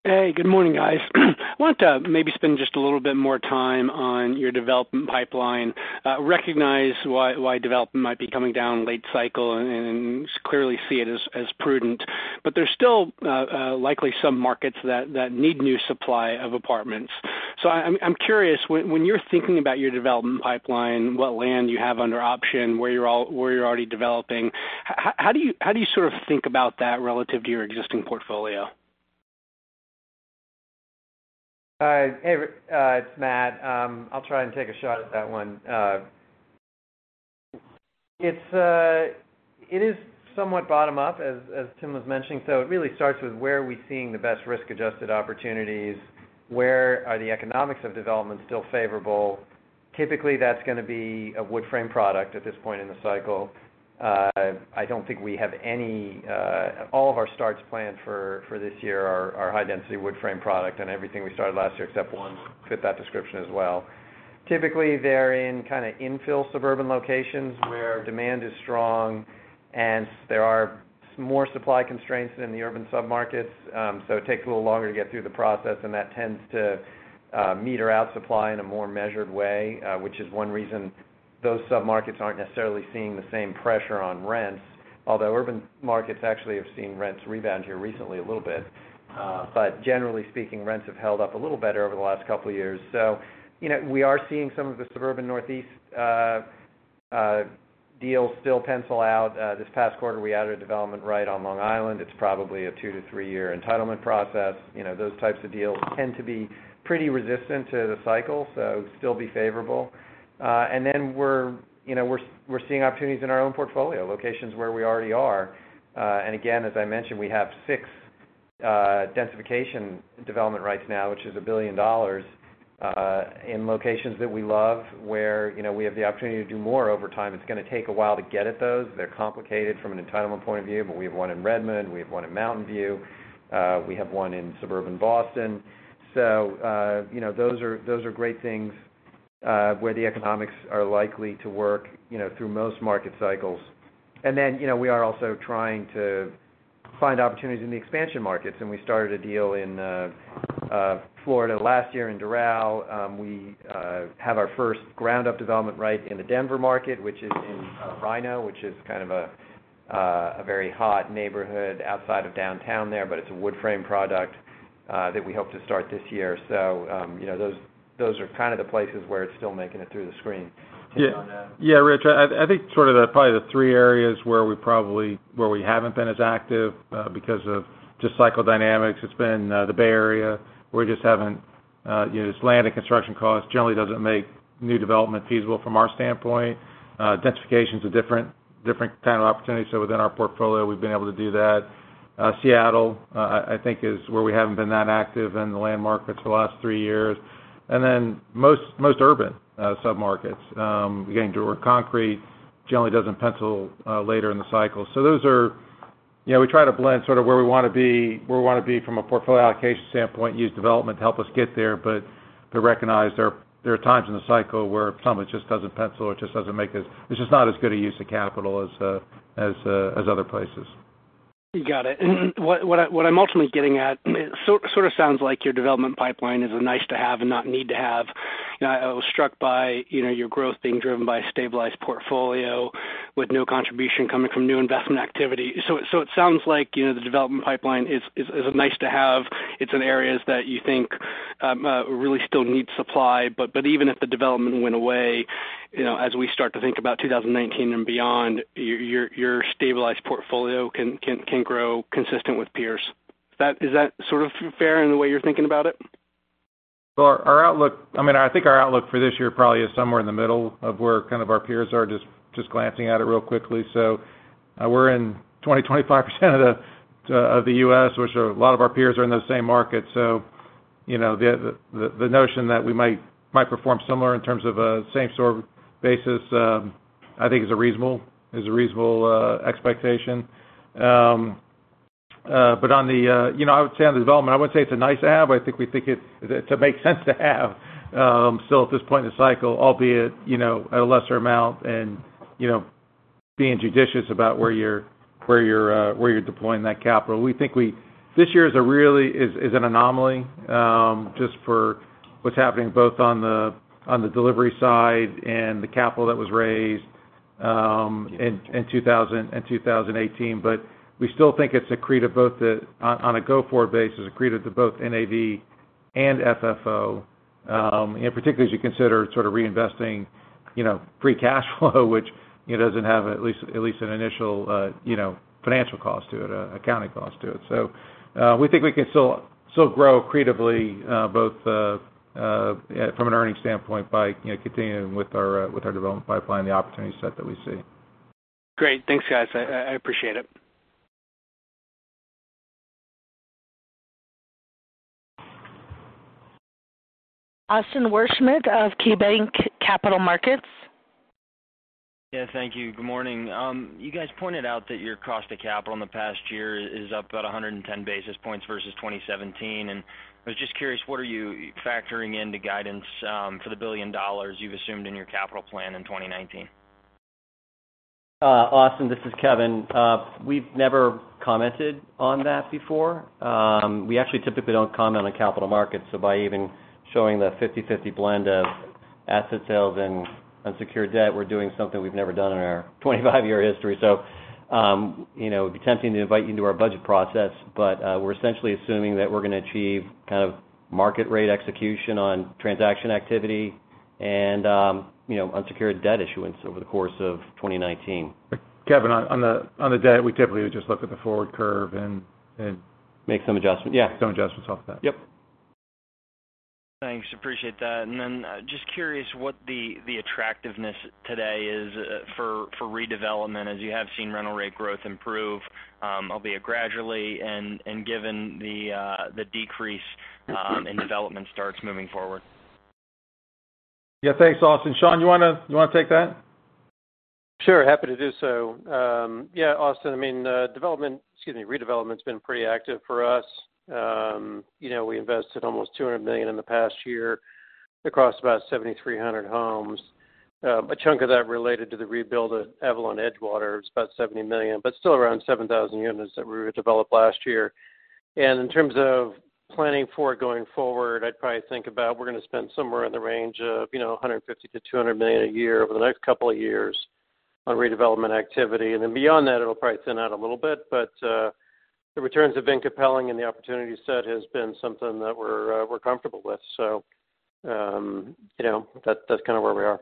Hey, good morning, guys. I want to maybe spend just a little bit more time on your development pipeline. Recognize why development might be coming down late cycle and clearly see it as prudent. There's still likely some markets that need new supply of apartments. I'm curious, when you're thinking about your development pipeline, what land you have under option, where you're already developing, how do you sort of think about that relative to your existing portfolio? Hey, it's Matt. I'll try and take a shot at that one. It is somewhat bottom-up, as Tim was mentioning. It really starts with where are we seeing the best risk-adjusted opportunities? Where are the economics of development still favorable? Typically, that's going to be a wood frame product at this point in the cycle. All of our starts planned for this year are high-density wood frame product, and everything we started last year except one fit that description as well. Typically, they're in kind of infill suburban locations where demand is strong, and there are more supply constraints than in the urban submarkets. It takes a little longer to get through the process, and that tends to meter out supply in a more measured way, which is one reason those submarkets aren't necessarily seeing the same pressure on rents. Although urban markets actually have seen rents rebound here recently a little bit. Generally speaking, rents have held up a little better over the last couple of years. We are seeing some of the suburban Northeast deals still pencil out. This past quarter, we added a development right on Long Island. It's probably a two to three-year entitlement process. Those types of deals tend to be pretty resistant to the cycle, it'll still be favorable. We're seeing opportunities in our own portfolio, locations where we already are. Again, as I mentioned, we have six densification development rights now, which is $1 billion in locations that we love, where we have the opportunity to do more over time. It's going to take a while to get at those. They're complicated from an entitlement point of view, we have one in Redmond, we have one in Mountain View. We have one in suburban Boston. Those are great things, where the economics are likely to work through most market cycles. We are also trying to find opportunities in the expansion markets. We started a deal in Florida last year in Doral. We have our first ground-up development right in the Denver market, which is in RiNo, which is kind of a very hot neighborhood outside of downtown there. It's a wood-frame product that we hope to start this year. Those are kind of the places where it's still making it through the screen. Yeah, Rich, I think sort of probably the three areas where we haven't been as active because of just cycle dynamics. It's been the Bay Area. We're just land and construction cost generally doesn't make new development feasible from our standpoint. Densification's a different kind of opportunity. Within our portfolio, we've been able to do that. Seattle, I think, is where we haven't been that active in the land markets for the last three years. Most urban submarkets, beginning to work concrete, generally doesn't pencil later in the cycle. We try to blend sort of where we want to be from a portfolio allocation standpoint, use development to help us get there. Recognize there are times in the cycle where some of it just doesn't pencil or it's just not as good a use of capital as other places. You got it. What I'm ultimately getting at, it sort of sounds like your development pipeline is a nice to have and not need to have. I was struck by your growth being driven by a stabilized portfolio with no contribution coming from new investment activity. It sounds like the development pipeline is a nice to have. It's in areas that you think really still need supply. Even if the development went away, as we start to think about 2019 and beyond, your stabilized portfolio can grow consistent with peers. Is that sort of fair in the way you're thinking about it? I think our outlook for this year probably is somewhere in the middle of where kind of our peers are. Just glancing at it real quickly. We're in 20%-25% of the U.S., which a lot of our peers are in those same markets. The notion that we might perform similar in terms of a same-store basis, I think is a reasonable expectation. I would say on the development, I wouldn't say it's a nice to have. I think we think it makes sense to have still at this point in the cycle, albeit, at a lesser amount and being judicious about where you're deploying that capital. We think this year really is an anomaly, just for what's happening both on the delivery side and the capital that was raised in 2000 and 2018. We still think it's accretive both on a go-forward basis, accretive to both NAV and FFO. Particularly as you consider sort of reinvesting free cash flow, which doesn't have at least an initial financial cost to it, accounting cost to it. We think we can still grow accretively both from an earnings standpoint by continuing with our development pipeline and the opportunity set that we see. Great. Thanks, guys. I appreciate it. Austin Wurschmidt of KeyBanc Capital Markets. Yeah, thank you. Good morning. You guys pointed out that your cost of capital in the past year is up about 110 basis points versus 2017. I was just curious, what are you factoring into guidance for the $1 billion you've assumed in your capital plan in 2019? Austin, this is Kevin. We've never commented on that before. We actually typically don't comment on capital markets. By even showing the 50/50 blend of asset sales and unsecured debt, we're doing something we've never done in our 25-year history. It'd be tempting to invite you into our budget process, but we're essentially assuming that we're going to achieve kind of market rate execution on transaction activity and unsecured debt issuance over the course of 2019. Kevin, on the debt, we typically would just look at the forward curve. Make some adjustments. Yeah, some adjustments off that. Yep. Thanks. Appreciate that. Just curious what the attractiveness today is for redevelopment, as you have seen rental rate growth improve, albeit gradually, and given the decrease in development starts moving forward. Yeah. Thanks, Austin. Sean, you want to take that? Sure. Happy to do so. Yeah, Austin, redevelopment's been pretty active for us. We invested almost $200 million in the past year across about 7,300 homes. A chunk of that related to the rebuild of Avalon at Edgewater. It was about $70 million, but still around 7,000 units that we redeveloped last year. In terms of planning for it going forward, I'd probably think about, we're going to spend somewhere in the range of $150 million-$200 million a year over the next couple of years on redevelopment activity. Beyond that, it'll probably thin out a little bit, but the returns have been compelling, and the opportunity set has been something that we're comfortable with. That's kind of where we are.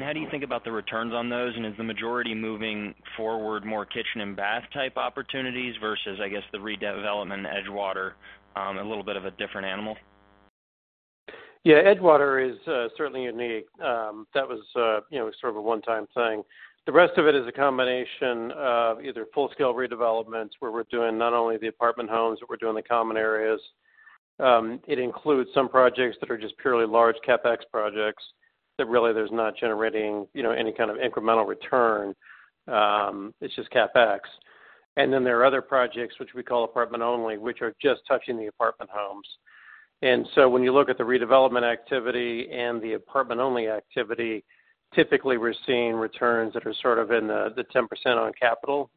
How do you think about the returns on those? Is the majority moving forward more kitchen and bath type opportunities versus, I guess, the redevelopment in Edgewater, a little bit of a different animal? Yeah. Edgewater is certainly unique. That was sort of a one-time thing. The rest of it is a combination of either full-scale redevelopments, where we're doing not only the apartment homes, but we're doing the common areas. It includes some projects that are just purely large CapEx projects, that really there's not generating any kind of incremental return. It's just CapEx. Then there are other projects which we call apartment only, which are just touching the apartment homes. When you look at the redevelopment activity and the apartment-only activity, typically we're seeing returns that are sort of in the 10% on capital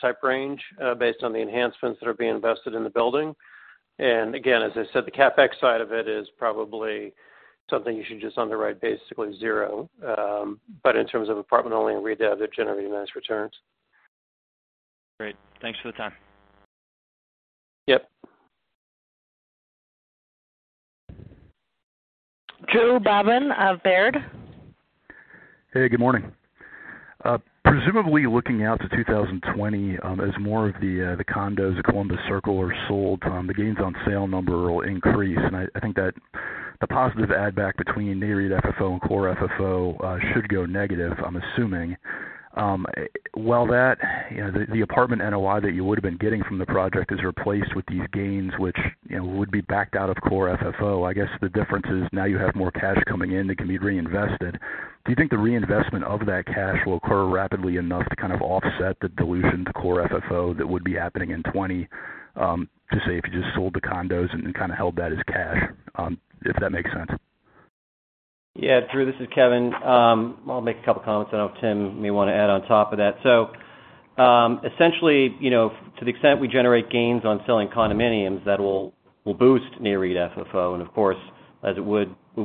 type range, based on the enhancements that are being invested in the building. Again, as I said, the CapEx side of it is probably something you should just underwrite basically zero. In terms of apartment only and redev, they're generating nice returns. Great. Thanks for the time. Yep. Drew Babin of Baird. Hey, good morning. Presumably looking out to 2020, as more of the condos at Columbus Circle are sold, the gains on sale number will increase. I think that the positive add back between NAREIT FFO and Core FFO should go negative, I'm assuming. While that, the apartment NOI that you would've been getting from the project is replaced with these gains, which would be backed out of Core FFO, I guess the difference is now you have more cash coming in that can be reinvested. Do you think the reinvestment of that cash will occur rapidly enough to kind of offset the dilution to Core FFO that would be happening in 2020, to say, if you just sold the condos and kind of held that as cash? If that makes sense. Drew, this is Kevin. I'll make a couple comments. I know Tim may want to add on top of that. Essentially, to the extent we generate gains on selling condominiums, that will boost NAREIT FFO. Of course, as it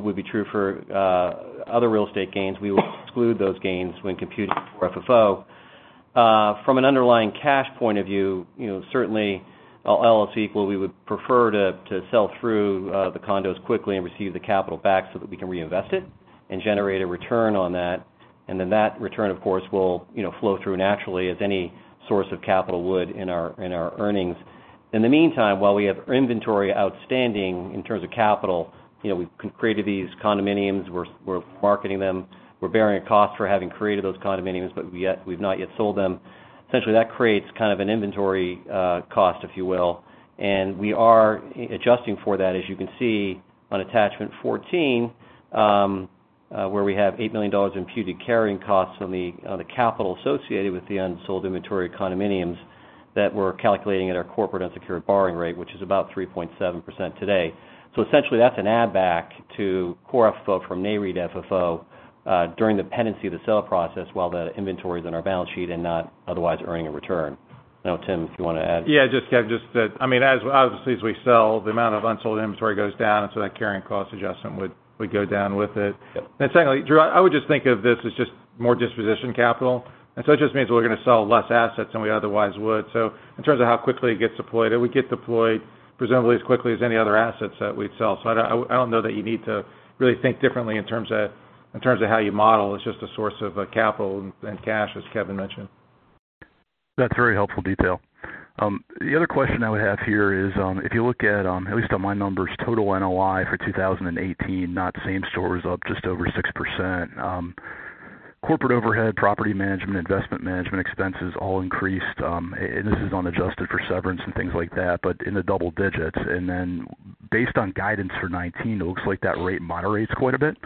would be true for other real estate gains, we will exclude those gains when computing Core FFO. From an underlying cash point of view, certainly, all else equal, we would prefer to sell through the condos quickly and receive the capital back so that we can reinvest it and generate a return on that. Then that return, of course, will flow through naturally as any source of capital would in our earnings. In the meantime, while we have inventory outstanding in terms of capital, we've created these condominiums. We're marketing them. We're bearing a cost for having created those condominiums, but we've not yet sold them. Essentially, that creates kind of an inventory cost, if you will. We are adjusting for that, as you can see on attachment 14, where we have $8 million imputed carrying costs on the capital associated with the unsold inventory condominiums that we're calculating at our corporate unsecured borrowing rate, which is about 3.7% today. Essentially, that's an add back to Core FFO from NAREIT FFO, during the pendency of the sale process while the inventories on our balance sheet and not otherwise earning a return. Tim, if you want to add. Just that, obviously, as we sell, the amount of unsold inventory goes down, that carrying cost adjustment would go down with it. Yep. Secondly, Drew, I would just think of this as just more disposition capital. It just means we're going to sell less assets than we otherwise would. In terms of how quickly it gets deployed, it would get deployed presumably as quickly as any other assets that we'd sell. I don't know that you need to really think differently in terms of how you model. It's just a source of capital and cash, as Kevin mentioned. That's very helpful detail. The other question I would have here is, if you look at least on my numbers, total NOI for 2018, not same store was up just over 6%. Corporate overhead, property management, investment management expenses all increased. This is unadjusted for severance and things like that, but in the double digits. Based on guidance for 2019, it looks like that rate moderates quite a bit.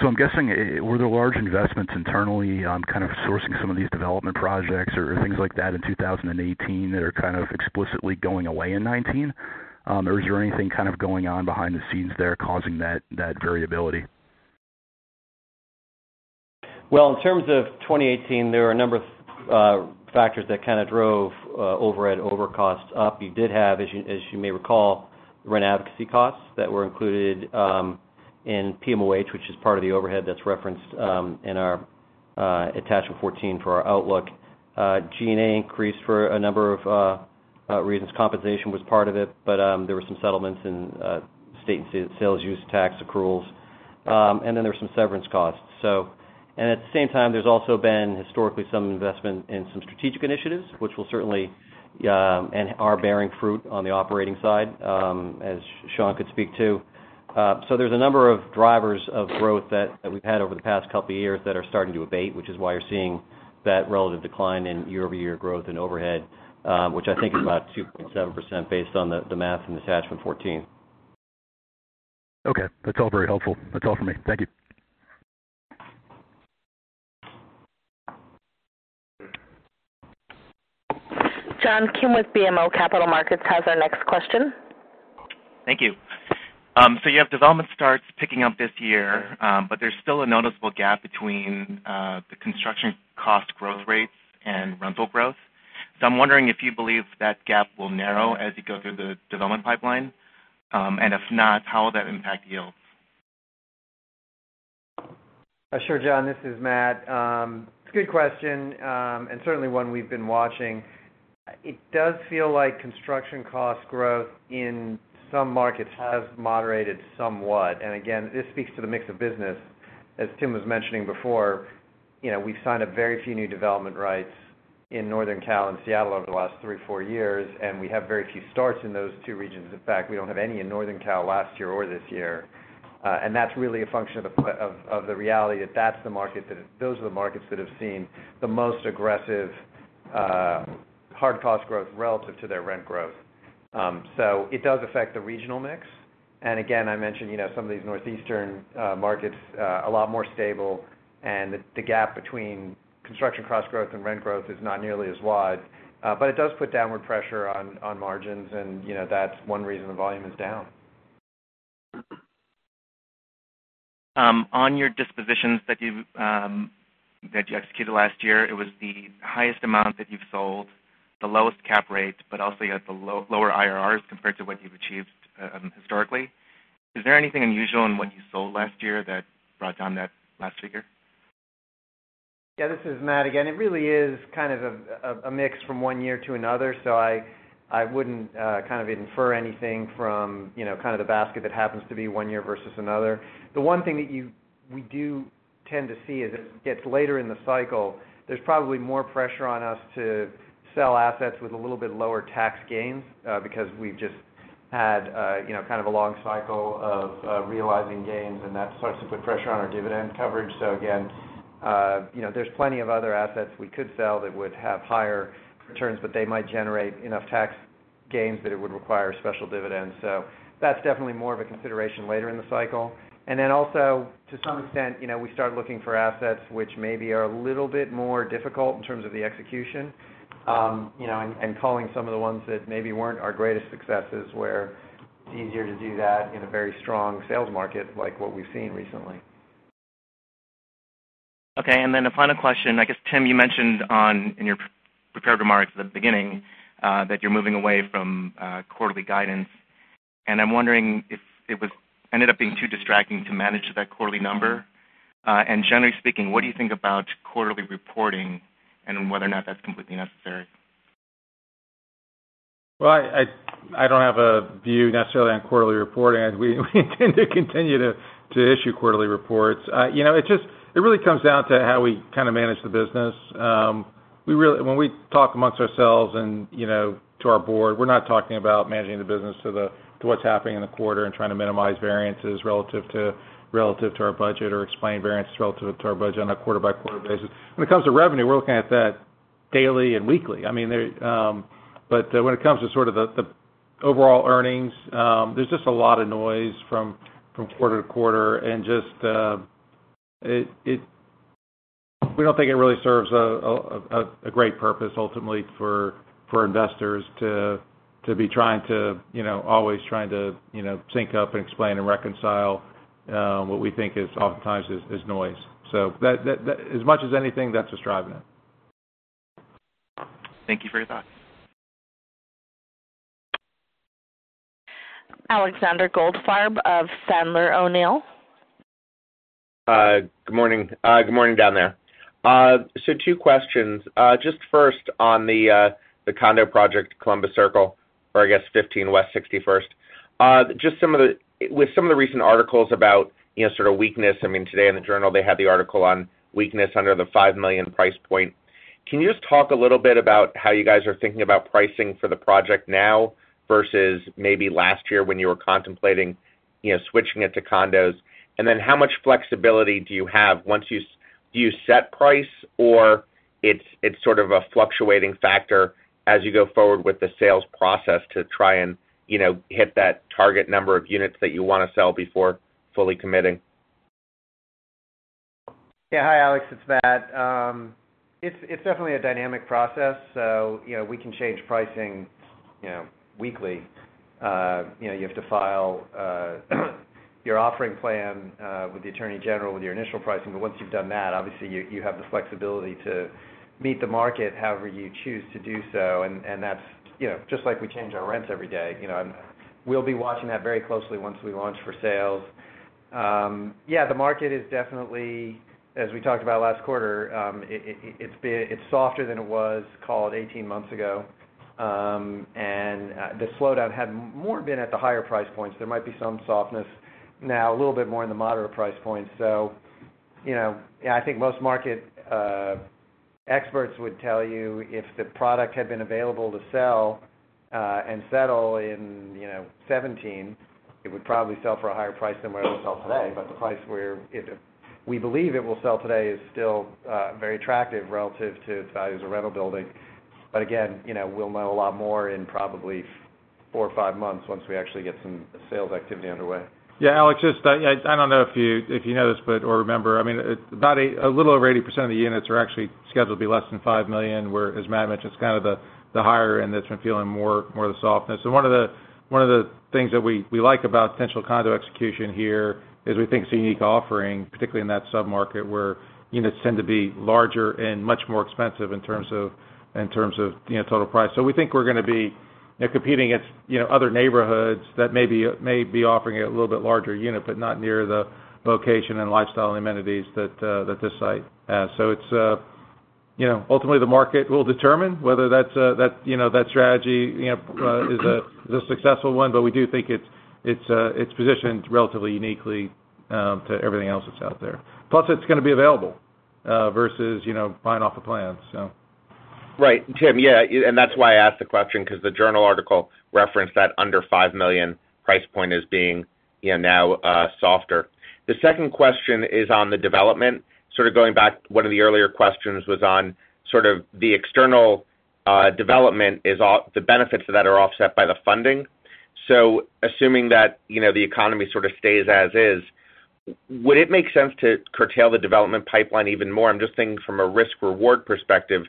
I'm guessing, were there large investments internally on kind of sourcing some of these development projects or things like that in 2018 that are kind of explicitly going away in 2019? Is there anything kind of going on behind the scenes there causing that variability? Well, in terms of 2018, there were a number of factors that kind of drove overhead over costs up. You did have, as you may recall, rent advocacy costs that were included in PMOH, which is part of the overhead that's referenced in our attachment 14 for our outlook. G&A increased for a number of reasons. Compensation was part of it, but there were some settlements in state and sales use tax accruals. There were some severance costs. At the same time, there's also been historically some investment in some strategic initiatives, which will certainly, and are bearing fruit on the operating side, as Sean could speak to. There's a number of drivers of growth that we've had over the past couple of years that are starting to abate, which is why you're seeing that relative decline in year-over-year growth and overhead, which I think is about 2.7% based on the math in attachment 14. Okay. That's all very helpful. That's all for me. Thank you. John Kim with BMO Capital Markets has our next question. Thank you. You have development starts picking up this year, there's still a noticeable gap between the construction cost growth rates and rental growth. I'm wondering if you believe that gap will narrow as you go through the development pipeline. If not, how will that impact yields? Sure, John, this is Matt. It's a good question, certainly one we've been watching. It does feel like construction cost growth in some markets has moderated somewhat. Again, this speaks to the mix of business. As Tim was mentioning before, we've signed a very few new development rights in Northern Cal and Seattle over the last three, four years, we have very few starts in those two regions. In fact, we don't have any in Northern Cal last year or this year. That's really a function of the reality that those are the markets that have seen the most aggressive hard cost growth relative to their rent growth. It does affect the regional mix. Again, I mentioned some of these northeastern markets, a lot more stable, the gap between construction cost growth and rent growth is not nearly as wide. It does put downward pressure on margins, that's one reason the volume is down. On your dispositions that you executed last year, it was the highest amount that you've sold, the lowest cap rate, but also you got the lower IRRs compared to what you've achieved historically. Is there anything unusual in what you sold last year that brought down that last figure? This is Matt again. It really is kind of a mix from one year to another. I wouldn't kind of infer anything from the basket that happens to be one year versus another. The one thing that we do tend to see as it gets later in the cycle, there's probably more pressure on us to sell assets with a little bit lower tax gains, because we've just had kind of a long cycle of realizing gains, and that starts to put pressure on our dividend coverage. Again, there's plenty of other assets we could sell that would have higher returns, but they might generate enough tax gains that it would require special dividends. That's definitely more of a consideration later in the cycle. Also, to some extent, we start looking for assets which maybe are a little bit more difficult in terms of the execution and culling some of the ones that maybe weren't our greatest successes, where it's easier to do that in a very strong sales market like what we've seen recently. The final question, I guess, Tim, you mentioned in your prepared remarks at the beginning, that you're moving away from quarterly guidance. I'm wondering if it ended up being too distracting to manage to that quarterly number. Generally speaking, what do you think about quarterly reporting and whether or not that's completely necessary? Well, I don't have a view necessarily on quarterly reporting, as we intend to continue to issue quarterly reports. It really comes down to how we kind of manage the business. When we talk amongst ourselves and to our board, we're not talking about managing the business to what's happening in the quarter and trying to minimize variances relative to our budget or explain variance relative to our budget on a quarter-by-quarter basis. When it comes to revenue, we're looking at that daily and weekly. When it comes to sort of the overall earnings, there's just a lot of noise from quarter to quarter, and just we don't think it really serves a great purpose ultimately for investors to always trying to sync up and explain and reconcile what we think oftentimes is noise. As much as anything, that's what's driving it. Thank you for your thoughts. Alexander Goldfarb of Sandler O'Neill. Good morning down there. Two questions. Just first on the condo project, Columbus Circle, or I guess 15 West 61st. With some of the recent articles about sort of weakness, I mean, today in the Journal, they had the article on weakness under the $5 million price point. Can you just talk a little bit about how you guys are thinking about pricing for the project now versus maybe last year when you were contemplating switching it to condos? And then how much flexibility do you have once you set price or it's sort of a fluctuating factor as you go forward with the sales process to try and hit that target number of units that you want to sell before fully committing? Hi, Alex. It's Matt. It's definitely a dynamic process. We can change pricing weekly. You have to file your offering plan with the attorney general with your initial pricing. Once you've done that, obviously, you have the flexibility to meet the market however you choose to do so. That's just like we change our rents every day. We'll be watching that very closely once we launch for sales. The market is definitely, as we talked about last quarter, it's softer than it was, call it 18 months ago. The slowdown had more been at the higher price points. There might be some softness now, a little bit more in the moderate price points. I think most market experts would tell you if the product had been available to sell and settle in 2017, it would probably sell for a higher price than what it will sell today. The price we believe it will sell today is still very attractive relative to its value as a rental building. Again, we'll know a lot more in probably four or five months once we actually get some sales activity underway. Alex, I don't know if you know this or remember. A little over 80% of the units are actually scheduled to be less than $5 million, where, as Matt mentioned, it's kind of the higher end that's been feeling more of the softness. One of the things that we like about potential condo execution here is we think it's a unique offering, particularly in that sub-market where units tend to be larger and much more expensive in terms of total price. We think we're going to be competing against other neighborhoods that may be offering a little bit larger unit, but not near the location and lifestyle amenities that this site has. Ultimately, the market will determine whether that strategy is a successful one, we do think it's positioned relatively uniquely to everything else that's out there. It's going to be available versus buying off the plans. Tim, yeah, that's why I asked the question because the journal article referenced that under $5 million price point as being now softer. The second question is on the development. Sort of going back, one of the earlier questions was on the external development, the benefits of that are offset by the funding. Assuming that the economy sort of stays as is, would it make sense to curtail the development pipeline even more? I'm just thinking from a risk-reward perspective,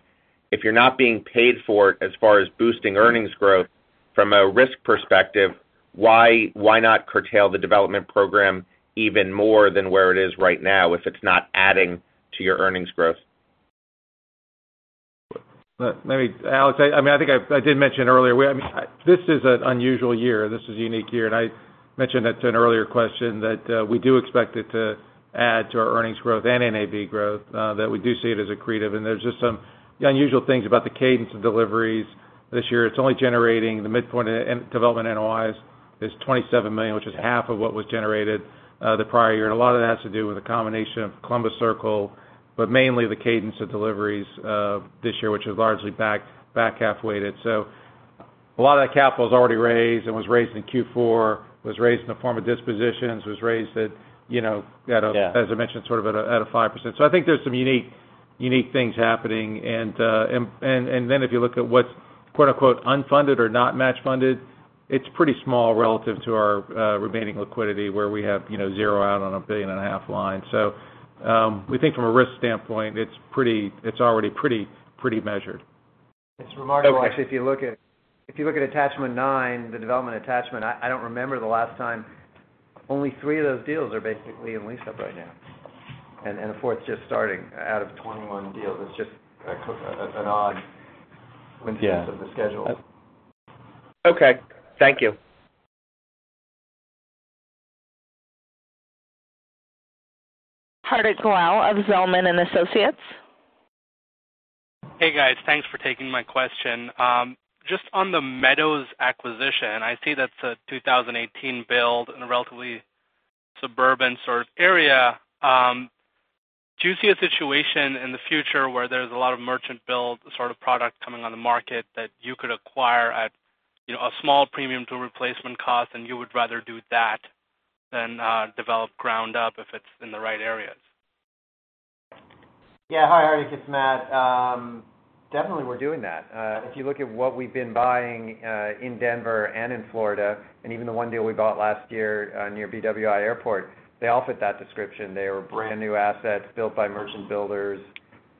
if you're not being paid for it as far as boosting earnings growth, from a risk perspective, why not curtail the development program even more than where it is right now if it's not adding to your earnings growth? Alex, I think I did mention earlier, this is an unusual year. This is a unique year. I mentioned it to an earlier question that we do expect it to add to our earnings growth and NAV growth, that we do see it as accretive. There's just some unusual things about the cadence of deliveries this year. It's only generating the midpoint development NOIs is $27 million, which is half of what was generated the prior year. A lot of it has to do with a combination of Columbus Circle, but mainly the cadence of deliveries this year, which is largely back half-weighted. A lot of that capital is already raised and was raised in Q4, was raised in the form of dispositions, was raised at. Yeah As I mentioned, sort of at a 5%. I think there's some unique things happening. Then if you look at what's "unfunded" or not match funded, it's pretty small relative to our remaining liquidity where we have zero out on a $1.5 billion line. We think from a risk standpoint, it's already pretty measured. It's remarkable, actually. If you look at attachment nine, the development attachment, I don't remember the last time, only three of those deals are basically in lease-up right now, and the fourth just starting out of 21 deals. It's just an odd coincidence of the schedule. Okay. Thank you. Hardik Goel of Zelman & Associates. Hey, guys. Thanks for taking my question. Just on the Meadows acquisition, I see that's a 2018 build in a relatively suburban sort of area. Do you see a situation in the future where there's a lot of merchant build sort of product coming on the market that you could acquire at a small premium to replacement cost and you would rather do that than develop ground up if it's in the right areas? Yeah. Hi, Hardik, it's Matt. Definitely we're doing that. If you look at what we've been buying in Denver and in Florida, and even the one deal we bought last year near BWI Airport, they all fit that description. They were brand-new assets built by merchant builders,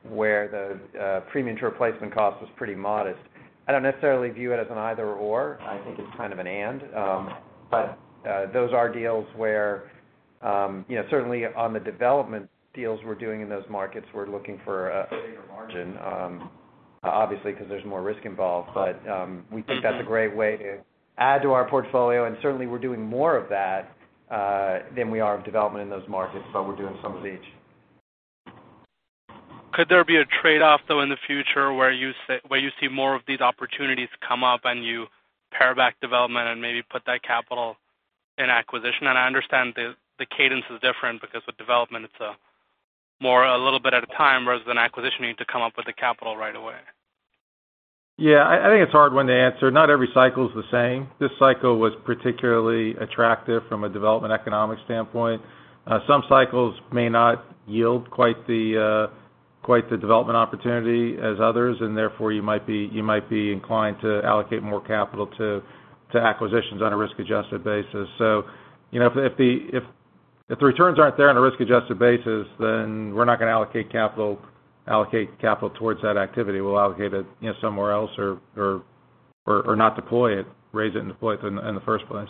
where the premium to replacement cost was pretty modest. I don't necessarily view it as an either/or. I think it's kind of an and. Those are deals where certainly on the development deals we're doing in those markets, we're looking for a bigger margin, obviously, because there's more risk involved. We think that's a great way to add to our portfolio, and certainly we're doing more of that than we are of development in those markets, but we're doing some of each. Could there be a trade-off, though, in the future where you see more of these opportunities come up and you pare back development and maybe put that capital in acquisition? I understand the cadence is different because with development, it's more a little bit at a time, whereas with an acquisition, you need to come up with the capital right away. Yeah, I think it's a hard one to answer. Not every cycle is the same. This cycle was particularly attractive from a development economic standpoint. Some cycles may not yield quite the development opportunity as others, therefore, you might be inclined to allocate more capital to acquisitions on a risk-adjusted basis. If the returns aren't there on a risk-adjusted basis, we're not going to allocate capital towards that activity. We'll allocate it somewhere else or not deploy it, raise it, and deploy it in the first place.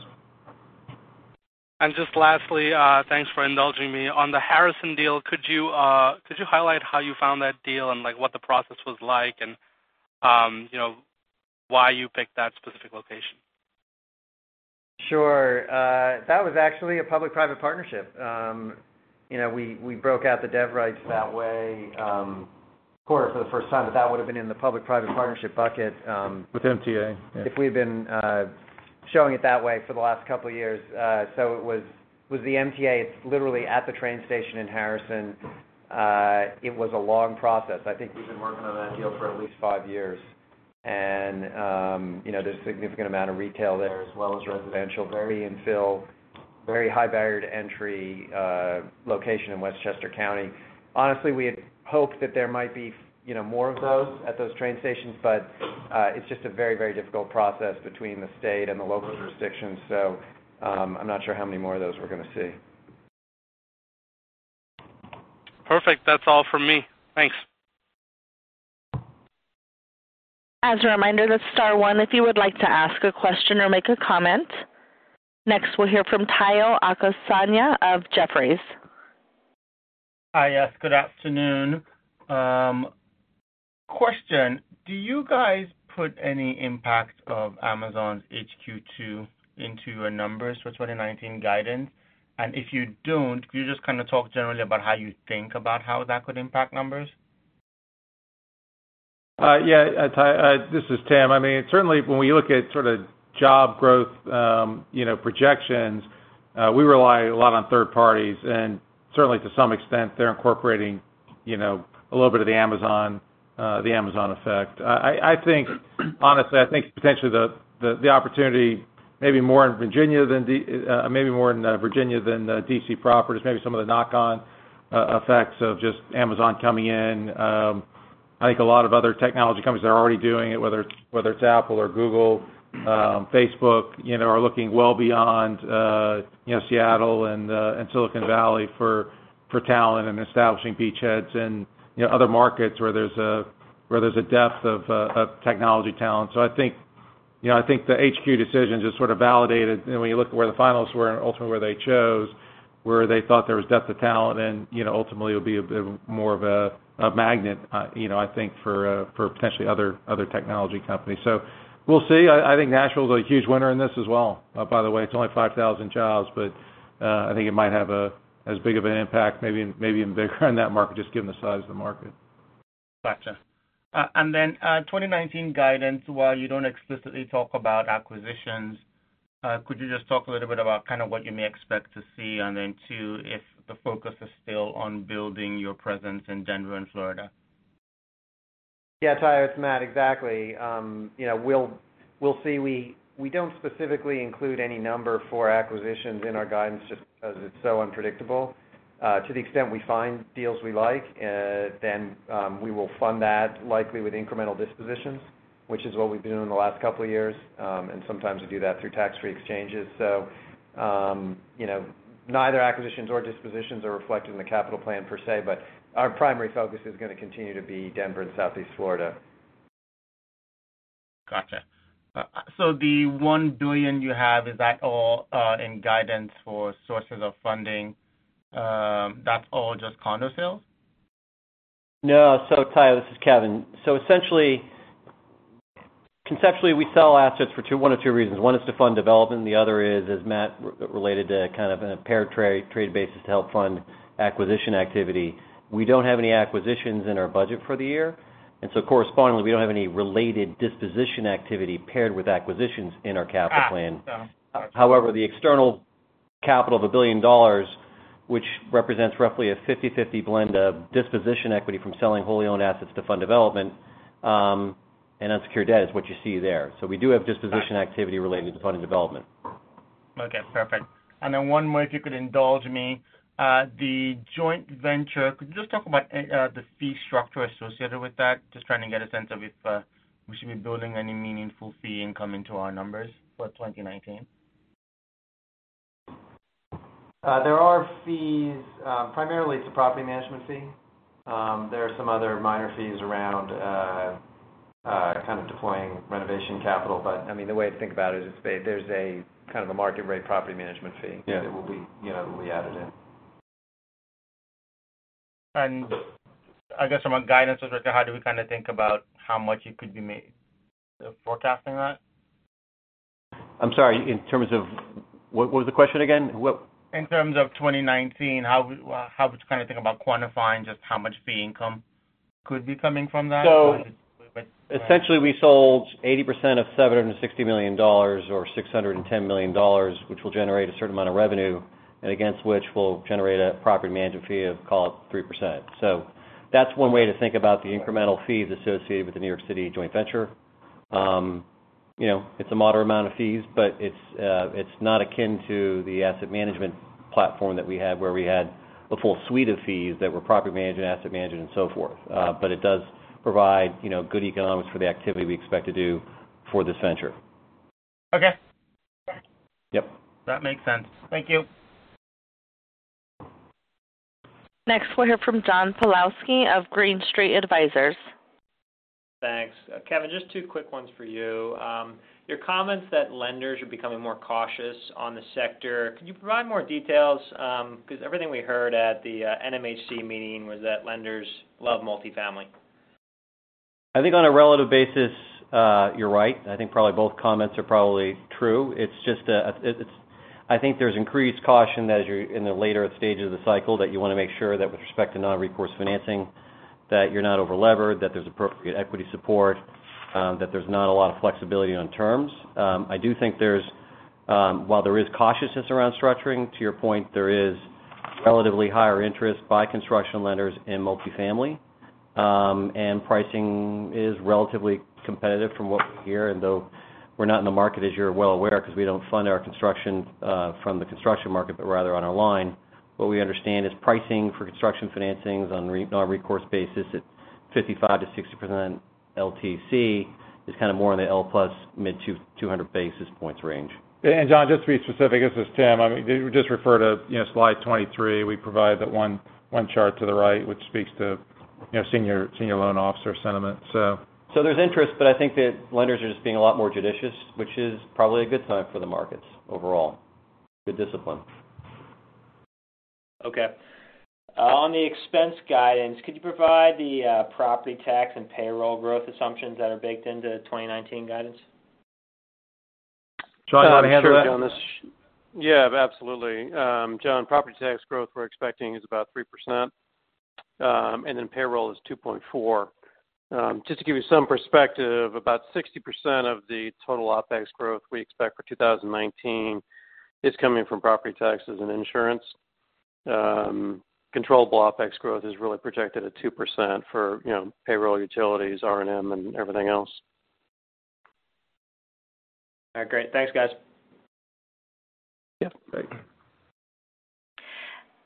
Just lastly, thanks for indulging me. On the Harrison deal, could you highlight how you found that deal and what the process was like, and why you picked that specific location? Sure. That was actually a public-private partnership. We broke out the dev rights that way. Of course, for the first time, but that would have been in the public-private partnership bucket. With MTA, yeah. if we had been showing it that way for the last couple of years. It was the MTA. It's literally at the train station in Harrison. It was a long process. I think we've been working on that deal for at least five years. There's a significant amount of retail there as well as residential, very infill, very high-barriered entry location in Westchester County. Honestly, we had hoped that there might be more of those at those train stations, it's just a very difficult process between the state and the local jurisdictions. I'm not sure how many more of those we're going to see. Perfect. That's all from me. Thanks. As a reminder, that's star one if you would like to ask a question or make a comment. Next, we'll hear from Tayo Okusanya of Jefferies. Hi, yes. Good afternoon. Question, do you guys put any impact of Amazon's HQ2 into your numbers for 2019 guidance? If you don't, can you just talk generally about how you think about how that could impact numbers? Yeah. Tayo, this is Tim. Certainly, when we look at sort of job growth projections, we rely a lot on third parties, certainly to some extent, they're incorporating a little bit of the Amazon effect. Honestly, I think potentially the opportunity maybe more in Virginia than the D.C. properties, maybe some of the knock-on effects of just Amazon coming in. I think a lot of other technology companies are already doing it, whether it's Apple or Google, Facebook, are looking well beyond Seattle and Silicon Valley for talent and establishing beachheads in other markets where there's a depth of technology talent. I think the HQ decisions just sort of validated, when you look at where the finalists were and ultimately where they chose, where they thought there was depth of talent, ultimately it'll be a bit more of a magnet, I think, for potentially other technology companies. We'll see. I think Nashville's a huge winner in this as well. By the way, it's only 5,000 jobs, I think it might have as big of an impact, maybe even bigger in that market, just given the size of the market. Gotcha. 2019 guidance, while you don't explicitly talk about acquisitions, could you just talk a little bit about kind of what you may expect to see, then two, if the focus is still on building your presence in Denver and Florida? Yeah, Tayo, it's Matt. Exactly. We'll see. We don't specifically include any number for acquisitions in our guidance just because it's so unpredictable. To the extent we find deals we like, then we will fund that likely with incremental dispositions, which is what we've been doing the last couple of years. Sometimes we do that through tax-free exchanges. Neither acquisitions or dispositions are reflected in the capital plan per se, but our primary focus is going to continue to be Denver and Southeast Florida. Gotcha. The $1 billion you have, is that all in guidance for sources of funding? That's all just condo sales? No. Tayo, this is Kevin. Essentially, conceptually, we sell assets for one of two reasons. One is to fund development, and the other is, as Matt related to kind of in a pair trade basis to help fund acquisition activity. We don't have any acquisitions in our budget for the year. Correspondingly, we don't have any related disposition activity paired with acquisitions in our capital plan. Got it. However, the external capital of $1 billion, which represents roughly a 50/50 blend of disposition equity from selling wholly owned assets to fund development, and unsecured debt is what you see there. We do have disposition activity related to funding development. Okay, perfect. Then one more, if you could indulge me. The joint venture, could you just talk about the fee structure associated with that? Just trying to get a sense of if we should be building any meaningful fee income into our numbers for 2019. There are fees. Primarily, it's a property management fee. There are some other minor fees around kind of deploying renovation capital. The way to think about it is there's a kind of a market-rate property management fee. Yeah It will be added in. I guess from a guidance perspective, how do we kind of think about how much it could be made forecasting that? I'm sorry, in terms of what was the question again? In terms of 2019, how would you kind of think about quantifying just how much fee income could be coming from that? Essentially, we sold 80% of $760 million, or $610 million, which will generate a certain amount of revenue, and against which we'll generate a property management fee of, call it 3%. That's one way to think about the incremental fees associated with the New York City joint venture. It's a moderate amount of fees, but it's not akin to the asset management platform that we had where we had a full suite of fees that were property management, asset management, and so forth. It does provide good economics for the activity we expect to do for this venture. Okay. Yep. That makes sense. Thank you. Next, we'll hear from John Pawlowski of Green Street Advisors. Thanks. Kevin, just two quick ones for you. Your comments that lenders are becoming more cautious on the sector, can you provide more details? Everything we heard at the NMHC meeting was that lenders love multifamily. I think on a relative basis, you're right. I think probably both comments are probably true. I think there's increased caution as you're in the later stages of the cycle, that you want to make sure that with respect to non-recourse financing, that you're not over-levered, that there's appropriate equity support, that there's not a lot of flexibility on terms. I do think while there is cautiousness around structuring, to your point, there is relatively higher interest by construction lenders in multifamily. Pricing is relatively competitive from what we hear. Though we're not in the market, as you're well aware, because we don't fund our construction from the construction market, but rather on our line. What we understand is pricing for construction financings on a recourse basis at 55%-60% LTC is kind of more in the L plus mid 200 basis points range. John, just to be specific, this is Tim. Just refer to slide 23. We provide that one chart to the right, which speaks to senior loan officer sentiment. There's interest, but I think that lenders are just being a lot more judicious, which is probably a good sign for the markets overall. Good discipline. Okay. On the expense guidance, could you provide the property tax and payroll growth assumptions that are baked into 2019 guidance? Sean, do you want to handle that? Sure, John. Yeah, absolutely. John, property tax growth we're expecting is about 3%, and then payroll is 2.4%. Just to give you some perspective, about 60% of the total OpEx growth we expect for 2019 is coming from property taxes and insurance. Controllable OpEx growth is really projected at 2% for payroll, utilities, R&M, and everything else. All right, great. Thanks, guys. Yeah. Great.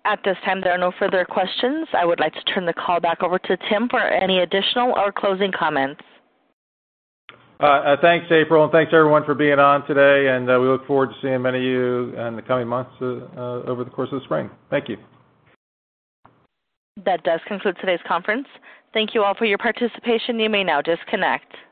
At this time, there are no further questions. I would like to turn the call back over to Tim for any additional or closing comments. Thanks, April, and thanks everyone for being on today, and we look forward to seeing many of you in the coming months over the course of the spring. Thank you. That does conclude today's conference. Thank you all for your participation. You may now disconnect.